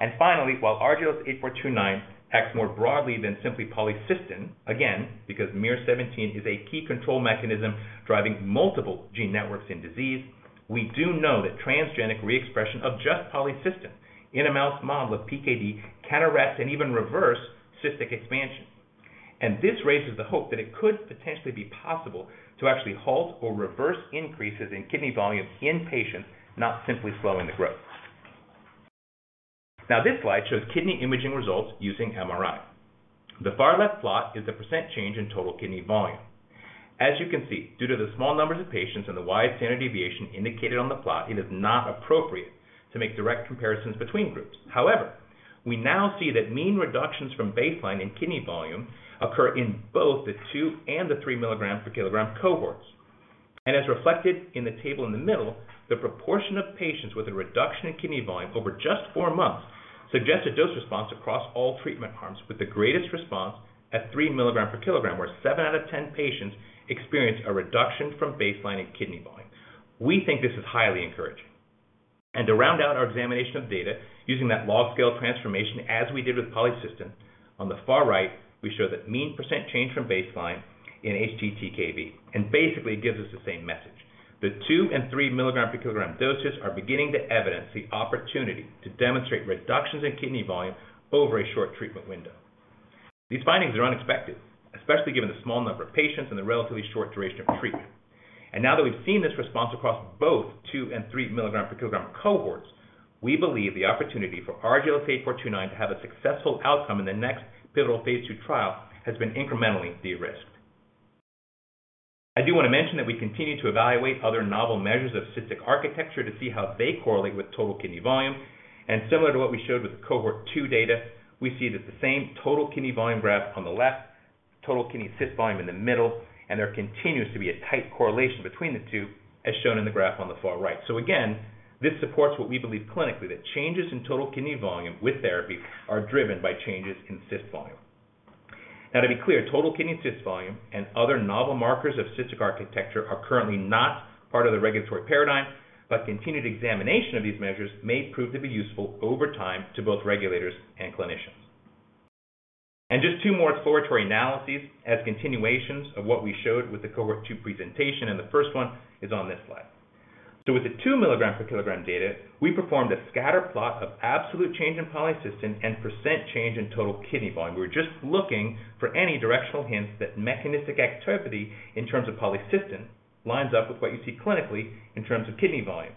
Speaker 4: And finally, while RGLS8429 acts more broadly than simply polycystin, again, because miR-17 is a key control mechanism driving multiple gene networks in disease, we do know that transgenic reexpression of just polycystin in a mouse model with PKD can arrest and even reverse cystic expansion. And this raises the hope that it could potentially be possible to actually halt or reverse increases in kidney volume in patients, not simply slowing the growth. Now, this slide shows kidney imaging results using MRI. The far left plot is the percent change in total kidney volume. As you can see, due to the small numbers of patients and the wide standard deviation indicated on the plot, it is not appropriate to make direct comparisons between groups. However, we now see that mean reductions from baseline in kidney volume occur in both the 2 mg/kg and the 3 mg/kg cohorts. As reflected in the table in the middle, the proportion of patients with a reduction in kidney volume over just four months suggest a dose response across all treatment arms, with the greatest response at 3 mg/kg, where 7 out of 10 patients experienced a reduction from baseline in kidney volume. We think this is highly encouraging. To round out our examination of data using that log scale transformation, as we did with polycystin, on the far right, we show that mean percent change from baseline in htTKV, and basically it gives us the same message. The 2 mg/kg and 3 mg/kg doses are beginning to evidence the opportunity to demonstrate reductions in kidney volume over a short treatment window. These findings are unexpected, especially given the small number of patients and the relatively short duration of treatment. Now that we've seen this response across both 2 mg/kg and 3 mg/kg cohorts, we believe the opportunity for RGLS8429 to have a successful outcome in the next pivotal phase II trial has been incrementally de-risked. I do want to mention that we continue to evaluate other novel measures of cystic architecture to see how they correlate with total kidney volume. Similar to what we showed with the cohort 2 data, we see that the same total kidney volume graph on the left, total kidney cyst volume in the middle, and there continues to be a tight correlation between the two, as shown in the graph on the far right. So again, this supports what we believe clinically, that changes in total kidney volume with therapy are driven by changes in cyst volume. Now, to be clear, total kidney cyst volume and other novel markers of cystic architecture are currently not part of the regulatory paradigm, but continued examination of these measures may prove to be useful over time to both regulators and clinicians. Just two more exploratory analyses as continuations of what we showed with the cohort 2 presentation, and the first one is on this slide. So with the 2 mg/kg data, we performed a scatter plot of absolute change in polycystin and percent change in total kidney volume. We're just looking for any directional hints that mechanistic activity, in terms of polycystin, lines up with what you see clinically in terms of kidney volume.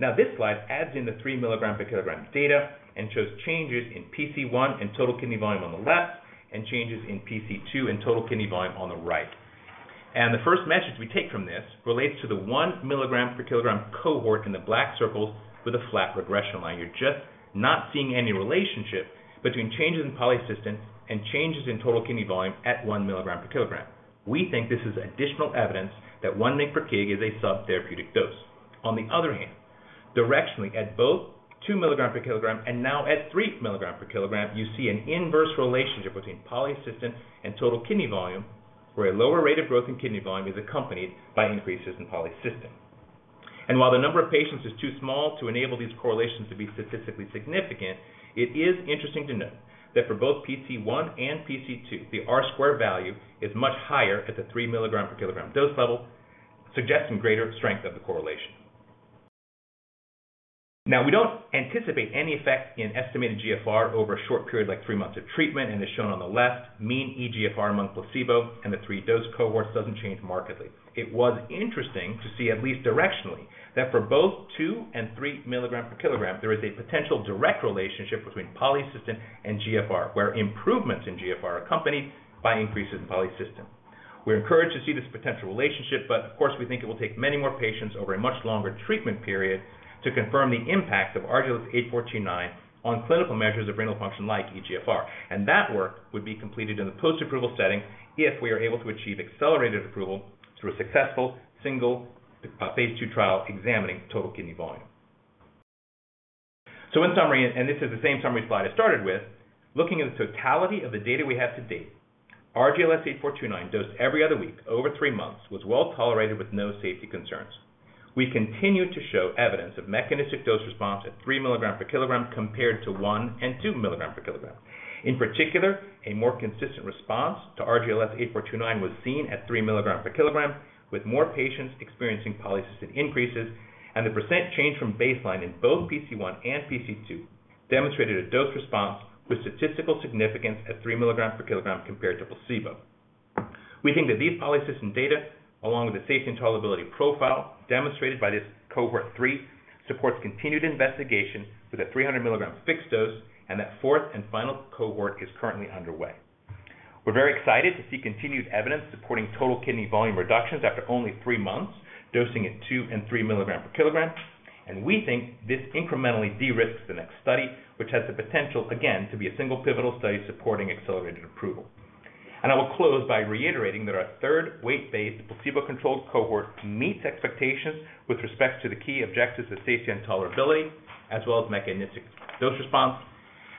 Speaker 4: Now, this slide adds in the 3 mg/kg data and shows changes in PC1 and total kidney volume on the left, and changes in PC2 and total kidney volume on the right. The first message we take from this relates to the 1 mg/kg cohort in the black circle with a flat regression line. You're just not seeing any relationship between changes in polycystin and changes in total kidney volume at 1 mg/kg. We think this is additional evidence that 1 mg/kg is a subtherapeutic dose. On the other hand, directionally, at both 2 mg/kg and now at 3 mg/kg, you see an inverse relationship between polycystin and total kidney volume, where a lower rate of growth in kidney volume is accompanied by increases in polycystin. And while the number of patients is too small to enable these correlations to be statistically significant, it is interesting to note that for both PC1 and PC2, the R square value is much higher at the 3 mg/kg dose level, suggesting greater strength of the correlation. Now, we don't anticipate any effect in estimated GFR over a short period, like three months of treatment, and as shown on the left, mean eGFR among placebo and the three dose cohorts doesn't change markedly. It was interesting to see, at least directionally, that for both 2 mg/kg and 3 mg/kg, there is a potential direct relationship between polycystin and GFR, where improvements in GFR are accompanied by increases in polycystin. We're encouraged to see this potential relationship, but of course, we think it will take many more patients over a much longer treatment period to confirm the impact of RGLS8429 on clinical measures of renal function like eGFR. And that work would be completed in the post-approval setting if we are able to achieve accelerated approval through a successful single phase II trial examining total kidney volume. So in summary, and this is the same summary slide I started with, looking at the totality of the data we have to date, RGLS8429 dosed every other week over three months, was well tolerated with no safety concerns. We continue to show evidence of mechanistic dose response at 3 mg/kg compared to 1 mg/kg and 2 mg/kg. In particular, a more consistent response to RGLS8429 was seen at 3 mg/kg, with more patients experiencing polycystin increases, and the percent change from baseline in both PC1 and PC2 demonstrated a dose response with statistical significance at 3mg/kg compared to placebo. We think that these polycystin data, along with the safety and tolerability profile demonstrated by this cohort 3, supports continued investigation with a 300 mg fixed dose, and that fourth and final cohort is currently underway. We're very excited to see continued evidence supporting total kidney volume reductions after only three months, dosing at 2 mg/kg and 3 mg/kg. We think this incrementally de-risks the next study, which has the potential, again, to be a single pivotal study supporting accelerated approval. I will close by reiterating that our third weight-based, placebo-controlled cohort meets expectations with respect to the key objectives of safety and tolerability, as well as mechanistic dose response.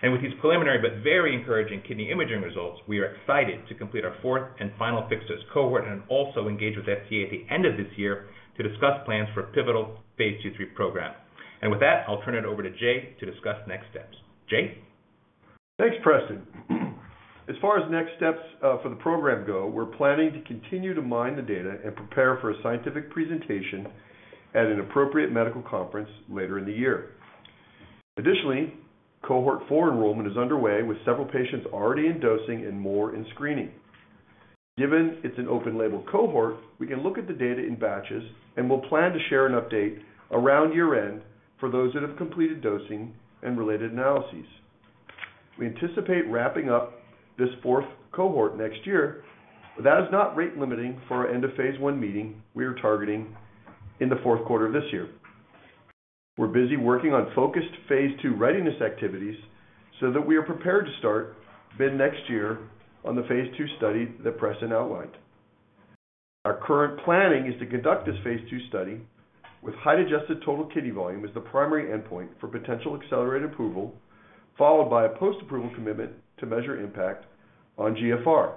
Speaker 4: With these preliminary but very encouraging kidney imaging results, we are excited to complete our fourth and final fixed-dose cohort and also engage with FDA at the end of this year to discuss plans for a pivotal phase II-phase III program. With that, I'll turn it over to Jay to discuss next steps. Jay?
Speaker 3: Thanks, Preston. As far as next steps for the program go, we're planning to continue to mine the data and prepare for a scientific presentation at an appropriate medical conference later in the year. Additionally, cohort four enrollment is underway with several patients already in dosing and more in screening. Given it's an open label cohort, we can look at the data in batches, and we'll plan to share an update around year-end for those that have completed dosing and related analyses. We anticipate wrapping up this fourth cohort next year, but that is not rate limiting for our end-of-phase I meeting we are targeting in the fourth quarter of this year. We're busy working on focused phase II readiness activities so that we are prepared to start mid next year on the phase II study that Preston outlined. Our current planning is to conduct this phase II study with height-adjusted total kidney volume as the primary endpoint for potential accelerated approval, followed by a post-approval commitment to measure impact on GFR.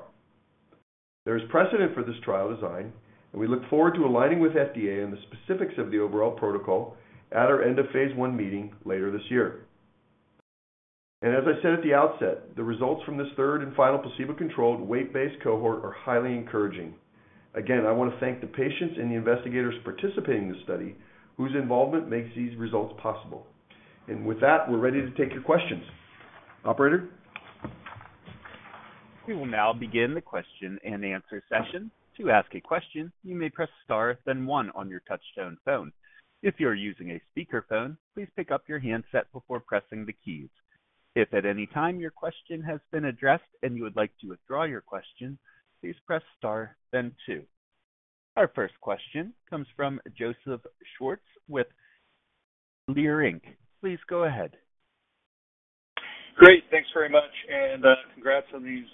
Speaker 3: There is precedent for this trial design, and we look forward to aligning with FDA on the specifics of the overall protocol at our end of phase I meeting later this year. As I said at the outset, the results from this third and final placebo-controlled weight-based cohort are highly encouraging. Again, I want to thank the patients and the investigators participating in this study, whose involvement makes these results possible. With that, we're ready to take your questions. Operator?
Speaker 1: We will now begin the question-and-answer session. To ask a question, you may press star, then one on your touch-tone phone. If you are using a speakerphone, please pick up your handset before pressing the keys. If at any time your question has been addressed and you would like to withdraw your question, please press star then two. Our first question comes from Joseph Schwartz with Leerink Partners. Please go ahead.
Speaker 5: Great, thanks very much, and, congrats on these,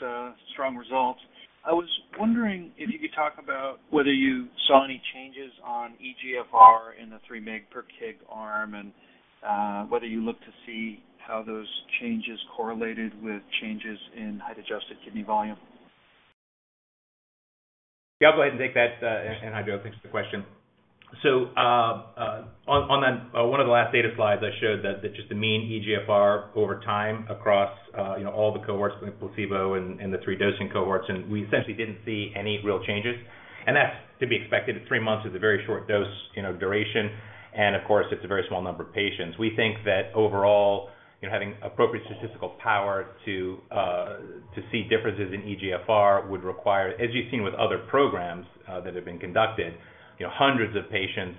Speaker 5: strong results. I was wondering if you could talk about whether you saw any changes on eGFR in the 3 mg/kg arm, and, whether you look to see how those changes correlated with changes in height-adjusted kidney volume.
Speaker 4: Yeah, I'll go ahead and take that, and hi, Joe, thanks for the question. So, on that, one of the last data slides, I showed that just the mean eGFR over time across, you know, all the cohorts with placebo and the 3 dosing cohorts, and we essentially didn't see any real changes. That's to be expected. three months is a very short dose, you know, duration. Of course, it's a very small number of patients. We think that overall, you know, having appropriate statistical power to see differences in eGFR would require, as you've seen with other programs that have been conducted, you know, hundreds of patients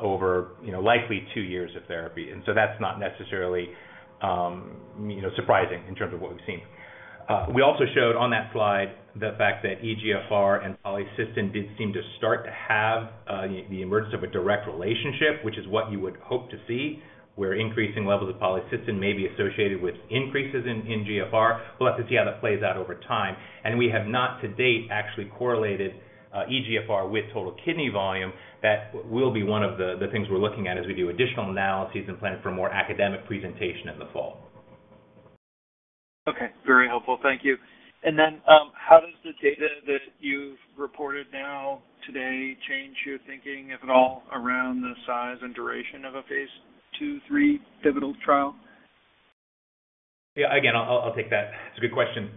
Speaker 4: over, you know, likely 2 years of therapy. So that's not necessarily, you know, surprising in terms of what we've seen. We also showed on that slide the fact that eGFR and polycystin did seem to start to have the emergence of a direct relationship, which is what you would hope to see, where increasing levels of polycystin may be associated with increases in GFR. We'll have to see how that plays out over time. And we have not to date, actually correlated eGFR with total kidney volume. That will be one of the things we're looking at as we do additional analyses and plan for a more academic presentation in the fall.
Speaker 5: Okay, very helpful. Thank you. And then, how does the data that you've reported now today change your thinking, if at all, around the size and duration of a phase two, three pivotal trial?
Speaker 4: Yeah, again, I'll take that. It's a good question.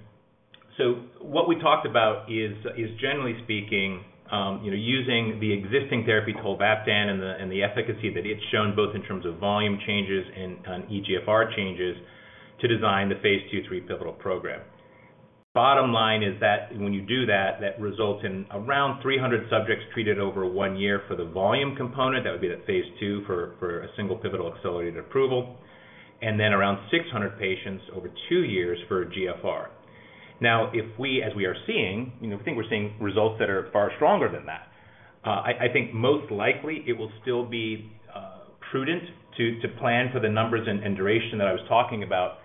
Speaker 4: So what we talked about is generally speaking, you know, using the existing therapy, tolvaptan, and the efficacy that it's shown, both in terms of volume changes and on eGFR changes to design the phase II or phase III pivotal program. Bottom line is that when you do that, that results in around 300 subjects treated over 1 year for the volume component. That would be the phase II for a single pivotal accelerated approval, and then around 600 patients over two years for GFR. Now, as we are seeing, you know, I think we're seeing results that are far stronger than that. I think most likely it will still be prudent to plan for the numbers and duration that I was talking about.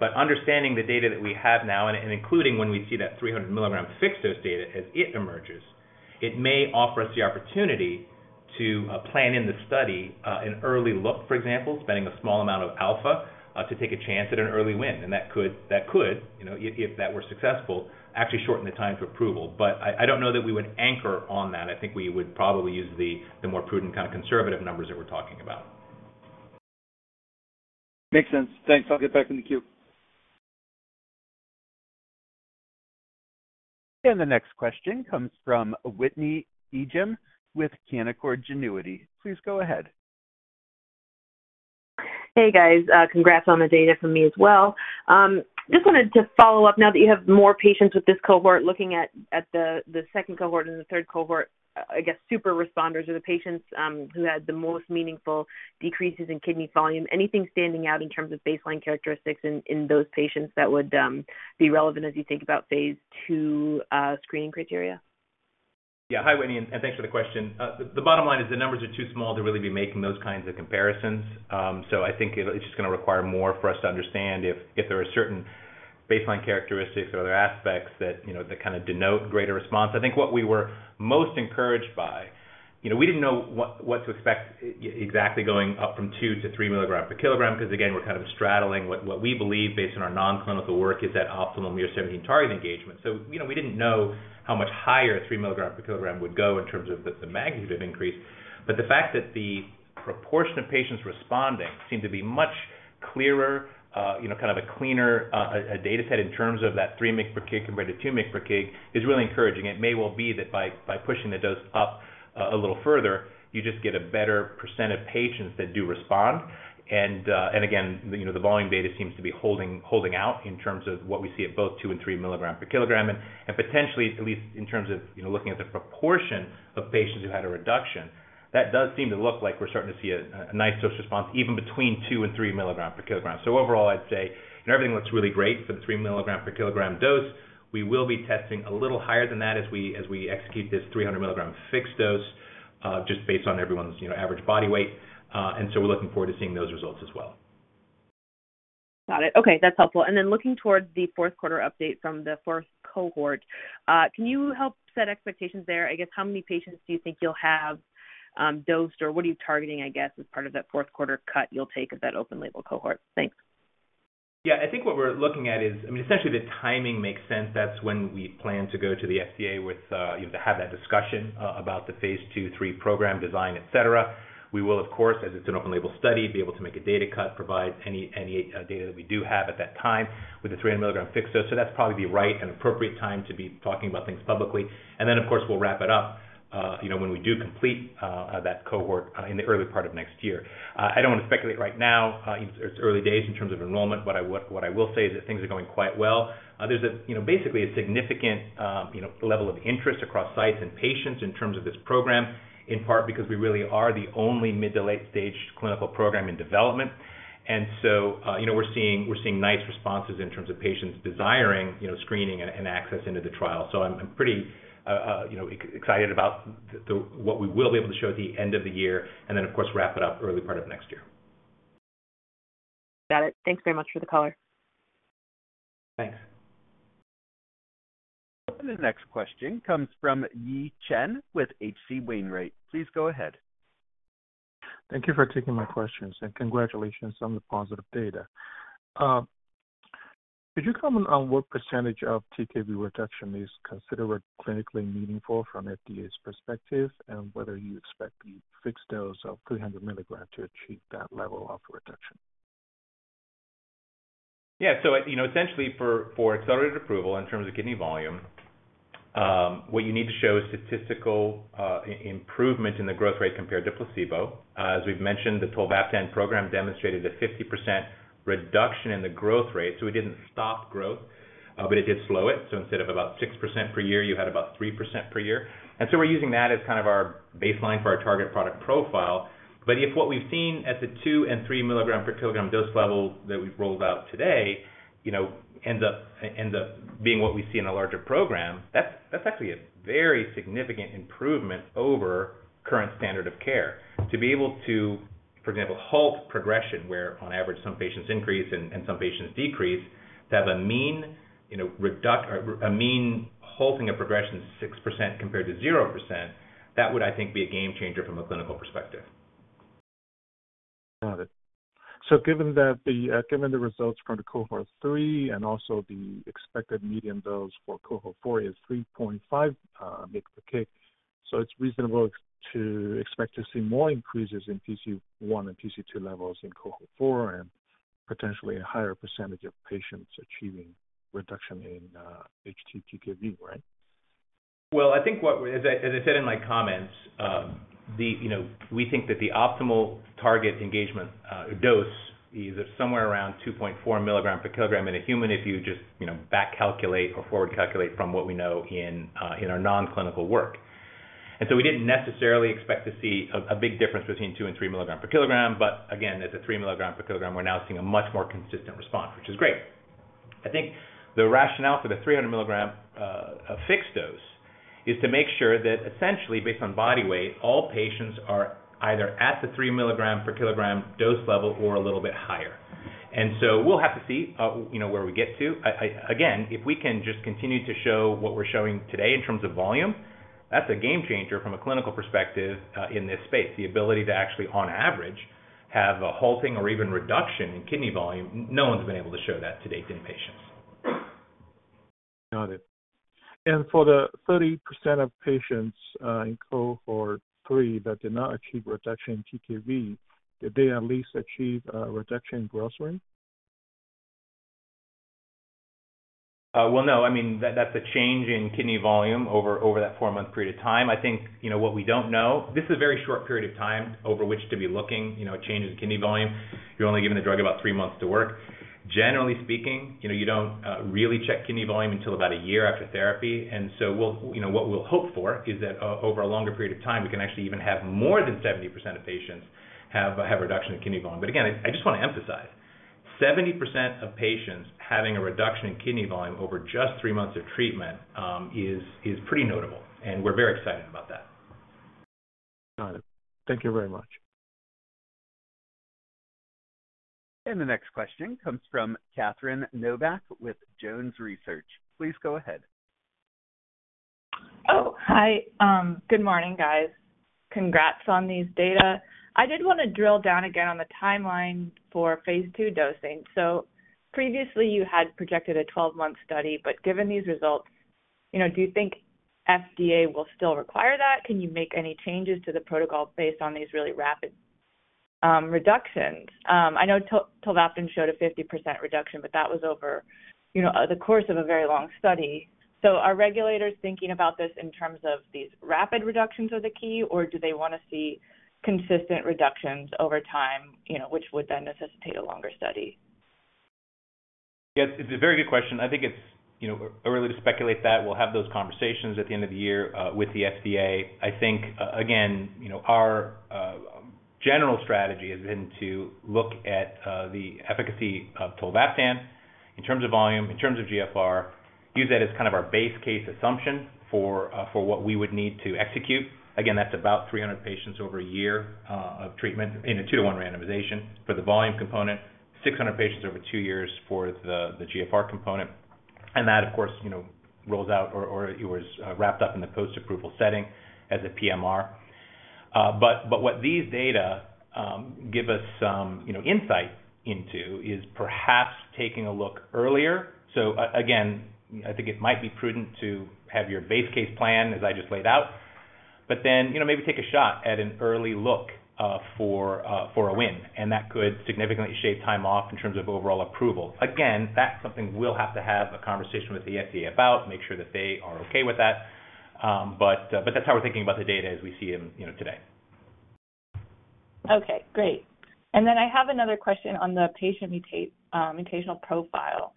Speaker 4: But understanding the data that we have now, and including when we see that 300 mg fixed dose data as it emerges, it may offer us the opportunity to plan in the study an early look, for example, spending a small amount of alpha to take a chance at an early win. And that could, that could, you know, if, if that were successful, actually shorten the time to approval. But I, I don't know that we would anchor on that. I think we would probably use the more prudent kind of conservative numbers that we're talking about.
Speaker 5: Makes sense. Thanks. I'll get back in the queue.
Speaker 1: The next question comes from Whitney Ijem with Canaccord Genuity. Please go ahead.
Speaker 6: Hey, guys, congrats on the data from me as well. Just wanted to follow up now that you have more patients with this cohort, looking at the second cohort and the third cohort, I guess, super responders or the patients who had the most meaningful decreases in kidney volume. Anything standing out in terms of baseline characteristics in those patients that would be relevant as you think about phase II screening criteria?
Speaker 4: Yeah. Hi, Whitney, and thanks for the question. The bottom line is the numbers are too small to really be making those kinds of comparisons. So I think it's just gonna require more for us to understand if there are certain baseline characteristics or other aspects that, you know, that kind of denote greater response. I think what we were most encouraged by... You know, we didn't know what to expect exactly going up from 2 mg/kg to 3 mg/kg, because, again, we're kind of straddling what we believe, based on our non-clinical work, is that optimum miR-17 target engagement. So, you know, we didn't know how much higher 3 mg/kg would go in terms of the magnitude of increase. But the fact that the proportion of patients responding seemed to be much clearer, you know, kind of a cleaner, data set in terms of that 3 mg/kg compared to 2 mg/kg is really encouraging. It may well be that by pushing the dose up, a little further, you just get a better percentage of patients that do respond. And again, you know, the volume data seems to be holding out in terms of what we see at both 2 mg/kg and 3 mg/kg, and potentially, at least in terms of, you know, looking at the proportion of patients who had a reduction, that does seem to look like we're starting to see a nice dose response, even between 2 mg/kg and 3 mg/kg. So overall, I'd say everything looks really great for the 3 mg/kg dose. We will be testing a little higher than that as we execute this 300 mg fixed dose, just based on everyone's, you know, average body weight. And so we're looking forward to seeing those results as well....
Speaker 6: Got it. Okay, that's helpful. And then looking towards the fourth quarter update from the fourth cohort, can you help set expectations there? I guess, how many patients do you think you'll have dosed, or what are you targeting, I guess, as part of that fourth quarter cut you'll take of that open label cohort? Thanks.
Speaker 4: Yeah. I think what we're looking at is, I mean, essentially, the timing makes sense. That's when we plan to go to the FDA with, you know, to have that discussion about the phase II, phase III program design, et cetera. We will, of course, as it's an open label study, be able to make a data cut, provide any data that we do have at that time with the 300 mg fixed dose. So that's probably the right and appropriate time to be talking about things publicly. And then, of course, we'll wrap it up, you know, when we do complete that cohort in the early part of next year. I don't wanna speculate right now. It's early days in terms of enrollment, but I, what I will say is that things are going quite well. There's a, you know, basically a significant, you know, level of interest across sites and patients in terms of this program, in part because we really are the only mid to late stage clinical program in development. And so, you know, we're seeing nice responses in terms of patients desiring, you know, screening and access into the trial. So I'm pretty, you know, excited about what we will be able to show at the end of the year, and then, of course, wrap it up early part of next year.
Speaker 6: Got it. Thanks very much for the color.
Speaker 4: Thanks.
Speaker 1: The next question comes from Yi Chen with H.C. Wainwright. Please go ahead.
Speaker 7: Thank you for taking my questions, and congratulations on the positive data. Could you comment on what percentage of TKV reduction is considered clinically meaningful from FDA's perspective, and whether you expect the fixed dose of 300 mg to achieve that level of reduction?
Speaker 4: Yeah, so, you know, essentially for accelerated approval in terms of kidney volume, what you need to show is statistical improvement in the growth rate compared to placebo. As we've mentioned, the tolvaptan program demonstrated a 50% reduction in the growth rate, so it didn't stop growth, but it did slow it. So instead of about 6% per year, you had about 3% per year. And so we're using that as kind of our baseline for our target product profile. But if what we've seen at the 2 mg/kg and 3 mg/kg dose level that we've rolled out today, you know, ends up, ends up being what we see in a larger program, that's, that's actually a very significant improvement over current standard of care. To be able to, for example, halt progression, where on average, some patients increase and some patients decrease, to have a mean, you know, reduction. A mean halting of progression of 6% compared to 0%, that would, I think, be a game changer from a clinical perspective.
Speaker 7: Got it. So given the results from the cohort 3 and also the expected medium dose for cohort 4 is 3.5 mg/kg, so it's reasonable to expect to see more increases in PC1 and PC2 levels in cohort 4 and potentially a higher percentage of patients achieving reduction in htTKV, right?
Speaker 4: Well, I think as I said in my comments, you know, we think that the optimal target engagement dose is somewhere around 2.4 mg/kg in a human, if you just, you know, back calculate or forward calculate from what we know in our non-clinical work. And so we didn't necessarily expect to see a big difference between 2 mg/kg and 3 mg/kg, but again, at the 3 mg/kg, we're now seeing a much more consistent response, which is great. I think the rationale for the 300 mg fixed dose is to make sure that essentially, based on body weight, all patients are either at the 3 mg/kg dose level or a little bit higher. And so we'll have to see, you know, where we get to. Again, if we can just continue to show what we're showing today in terms of volume, that's a game changer from a clinical perspective, in this space. The ability to actually, on average, have a halting or even reduction in kidney volume, no one's been able to show that to date in patients.
Speaker 7: Got it. For the 30% of patients in cohort 3 that did not achieve reduction in TKV, did they at least achieve a reduction in growth rate?
Speaker 4: Well, no, I mean, that's a change in kidney volume over that four-month period of time. I think, you know, what we don't know, this is a very short period of time over which to be looking, you know, at changes in kidney volume. You're only giving the drug about three months to work. Generally speaking, you know, you don't really check kidney volume until about a year after therapy. And so we'll, you know, what we'll hope for is that over a longer period of time, we can actually even have more than 70% of patients have a reduction in kidney volume. But again, I just want to emphasize, 70% of patients having a reduction in kidney volume over just three months of treatment is pretty notable, and we're very excited about that.
Speaker 7: Got it. Thank you very much.
Speaker 1: The next question comes from Catherine Novack with JonesTrading. Please go ahead.
Speaker 8: Oh, hi. Good morning, guys. Congrats on these data. I did want to drill down again on the timeline for phase II dosing. So previously, you had projected a 12-month study, but given these results, you know, do you think FDA will still require that? Can you make any changes to the protocol based on these really rapid reductions? I know tolvaptan showed a 50% reduction, but that was over, you know, the course of a very long study. So are regulators thinking about this in terms of these rapid reductions are the key, or do they wanna see consistent reductions over time, you know, which would then necessitate a longer study?
Speaker 4: Yes, it's a very good question. I think it's, you know, early to speculate that. We'll have those conversations at the end of the year with the FDA. I think, again, you know, our general strategy has been to look at the efficacy of tolvaptan... In terms of volume, in terms of GFR, use that as kind of our base case assumption for what we would need to execute. Again, that's about 300 patients over 1 year of treatment in a 2:1 randomization for the volume component. 600 patients over 2 years for the GFR component, and that, of course, you know, rolls out or it was wrapped up in the post-approval setting as a PMR. But what these data give us some, you know, insight into, is perhaps taking a look earlier. So again, I think it might be prudent to have your base case plan as I just laid out, but then, you know, maybe take a shot at an early look for a win, and that could significantly shave time off in terms of overall approval. Again, that's something we'll have to have a conversation with the FDA about, make sure that they are okay with that. But that's how we're thinking about the data as we see them, you know, today.
Speaker 8: Okay, great. I have another question on the patient mutational profile.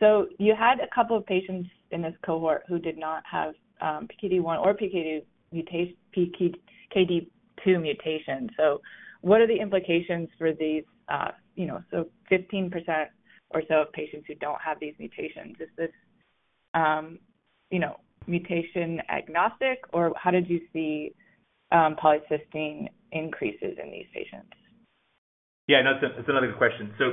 Speaker 8: You had a couple of patients in this cohort who did not have PKD1 or PKD2 mutation. What are the implications for these, you know? 15% or so of patients who don't have these mutations, is this, you know, mutation agnostic, or how did you see polycystin increases in these patients?
Speaker 4: Yeah, no, it's another good question. So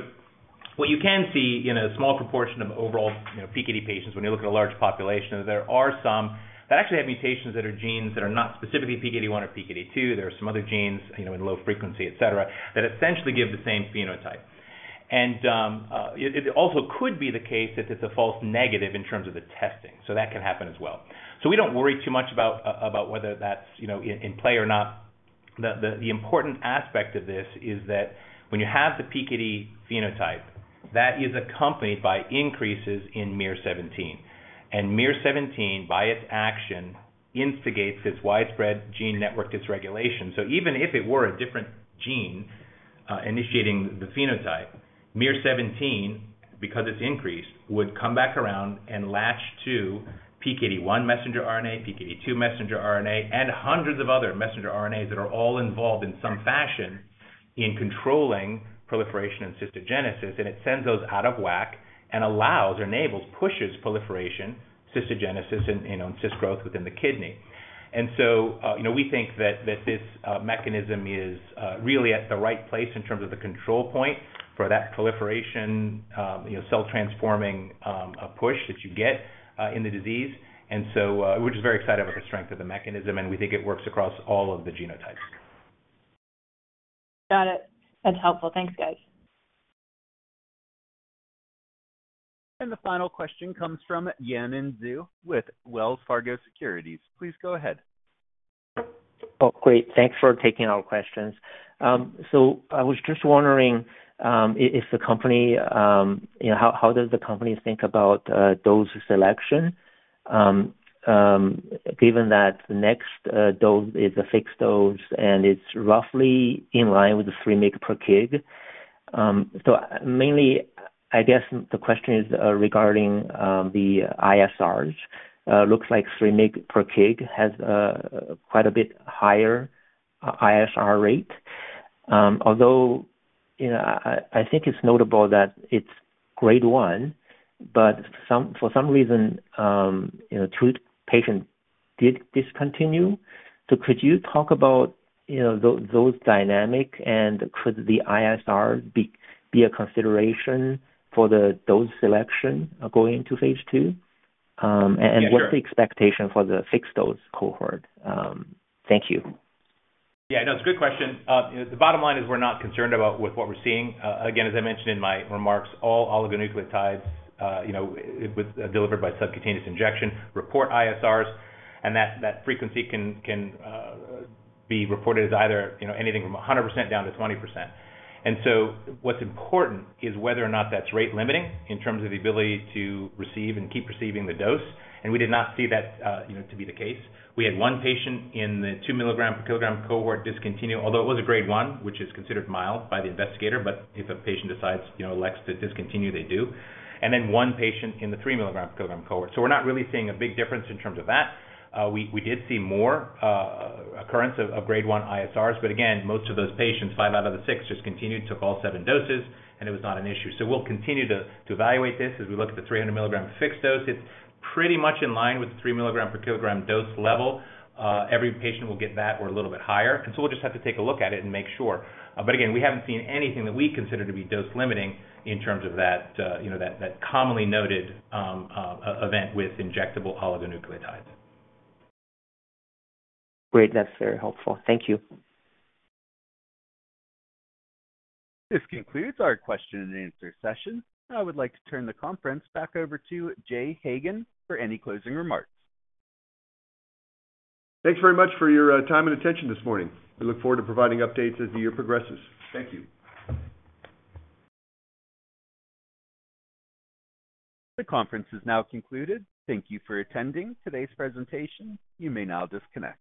Speaker 4: what you can see in a small proportion of overall, you know, PKD patients, when you look at a large population, there are some that actually have mutations that are genes that are not specifically PKD1 or PKD2. There are some other genes, you know, in low frequency, et cetera, that essentially give the same phenotype. And it also could be the case that it's a false negative in terms of the testing, so that can happen as well. So we don't worry too much about whether that's, you know, in play or not. The important aspect of this is that when you have the PKD phenotype, that is accompanied by increases in miR-17. And miR-17, by its action, instigates this widespread gene network dysregulation. So even if it were a different gene, initiating the phenotype, miR-17, because it's increased, would come back around and latch to PKD1 messenger RNA, PKD2 messenger RNA, and hundreds of other messenger RNAs that are all involved in some fashion in controlling proliferation and cystogenesis. And it sends those out of whack and allows or enables, pushes proliferation, cystogenesis, and, you know, cyst growth within the kidney. And so, you know, we think that this mechanism is really at the right place in terms of the control point for that proliferation, you know, cell transforming, push that you get, in the disease. And so, we're just very excited about the strength of the mechanism, and we think it works across all of the genotypes.
Speaker 8: Got it. That's helpful. Thanks, guys.
Speaker 1: The final question comes from Yanan Zhu with Wells Fargo Securities. Please go ahead.
Speaker 9: Oh, great, thanks for taking our questions. So I was just wondering, if the company, you know, how does the company think about dose selection, given that the next dose is a fixed dose and it's roughly in line with the 3 mg/kg? So mainly, I guess the question is, regarding the ISRs. Looks like 3 mg/kg has quite a bit higher ISR rate. Although, you know, I think it's notable that it's Grade 1, but for some reason, you know, 2 patients did discontinue. So could you talk about, you know, those dynamics, and could the ISR be a consideration for the dose selection going into phase II?
Speaker 4: Yeah, sure.
Speaker 9: And what's the expectation for the fixed-dose cohort? Thank you.
Speaker 4: Yeah, no, it's a good question. The bottom line is, we're not concerned about with what we're seeing. Again, as I mentioned in my remarks, all oligonucleotides, you know, with delivered by subcutaneous injection, report ISRs, and that frequency can be reported as either, you know, anything from 100% down to 20%. And so what's important is whether or not that's rate-limiting in terms of the ability to receive and keep receiving the dose, and we did not see that, you know, to be the case. We had one patient in the 2 mg/kg cohort discontinue, although it was a Grade 1, which is considered mild by the investigator, but if a patient decides, you know, elects to discontinue, they do. And then one patient in the 3 mg/kg cohort. So we're not really seeing a big difference in terms of that. We did see more occurrence of Grade 1 ISRs, but again, most of those patients, five out of the six, just continued, took all seven doses, and it was not an issue. So we'll continue to evaluate this as we look at the 300 mg fixed dose. It's pretty much in line with the 3 mg/kg dose level. Every patient will get that or a little bit higher, and so we'll just have to take a look at it and make sure. But again, we haven't seen anything that we consider to be dose limiting in terms of that, you know, that commonly noted event with injectable oligonucleotides.
Speaker 9: Great, that's very helpful. Thank you.
Speaker 1: This concludes our question and answer session, and I would like to turn the conference back over to Jay Hagan for any closing remarks.
Speaker 3: Thanks very much for your time and attention this morning. We look forward to providing updates as the year progresses. Thank you.
Speaker 1: The conference is now concluded. Thank you for attending today's presentation. You may now disconnect.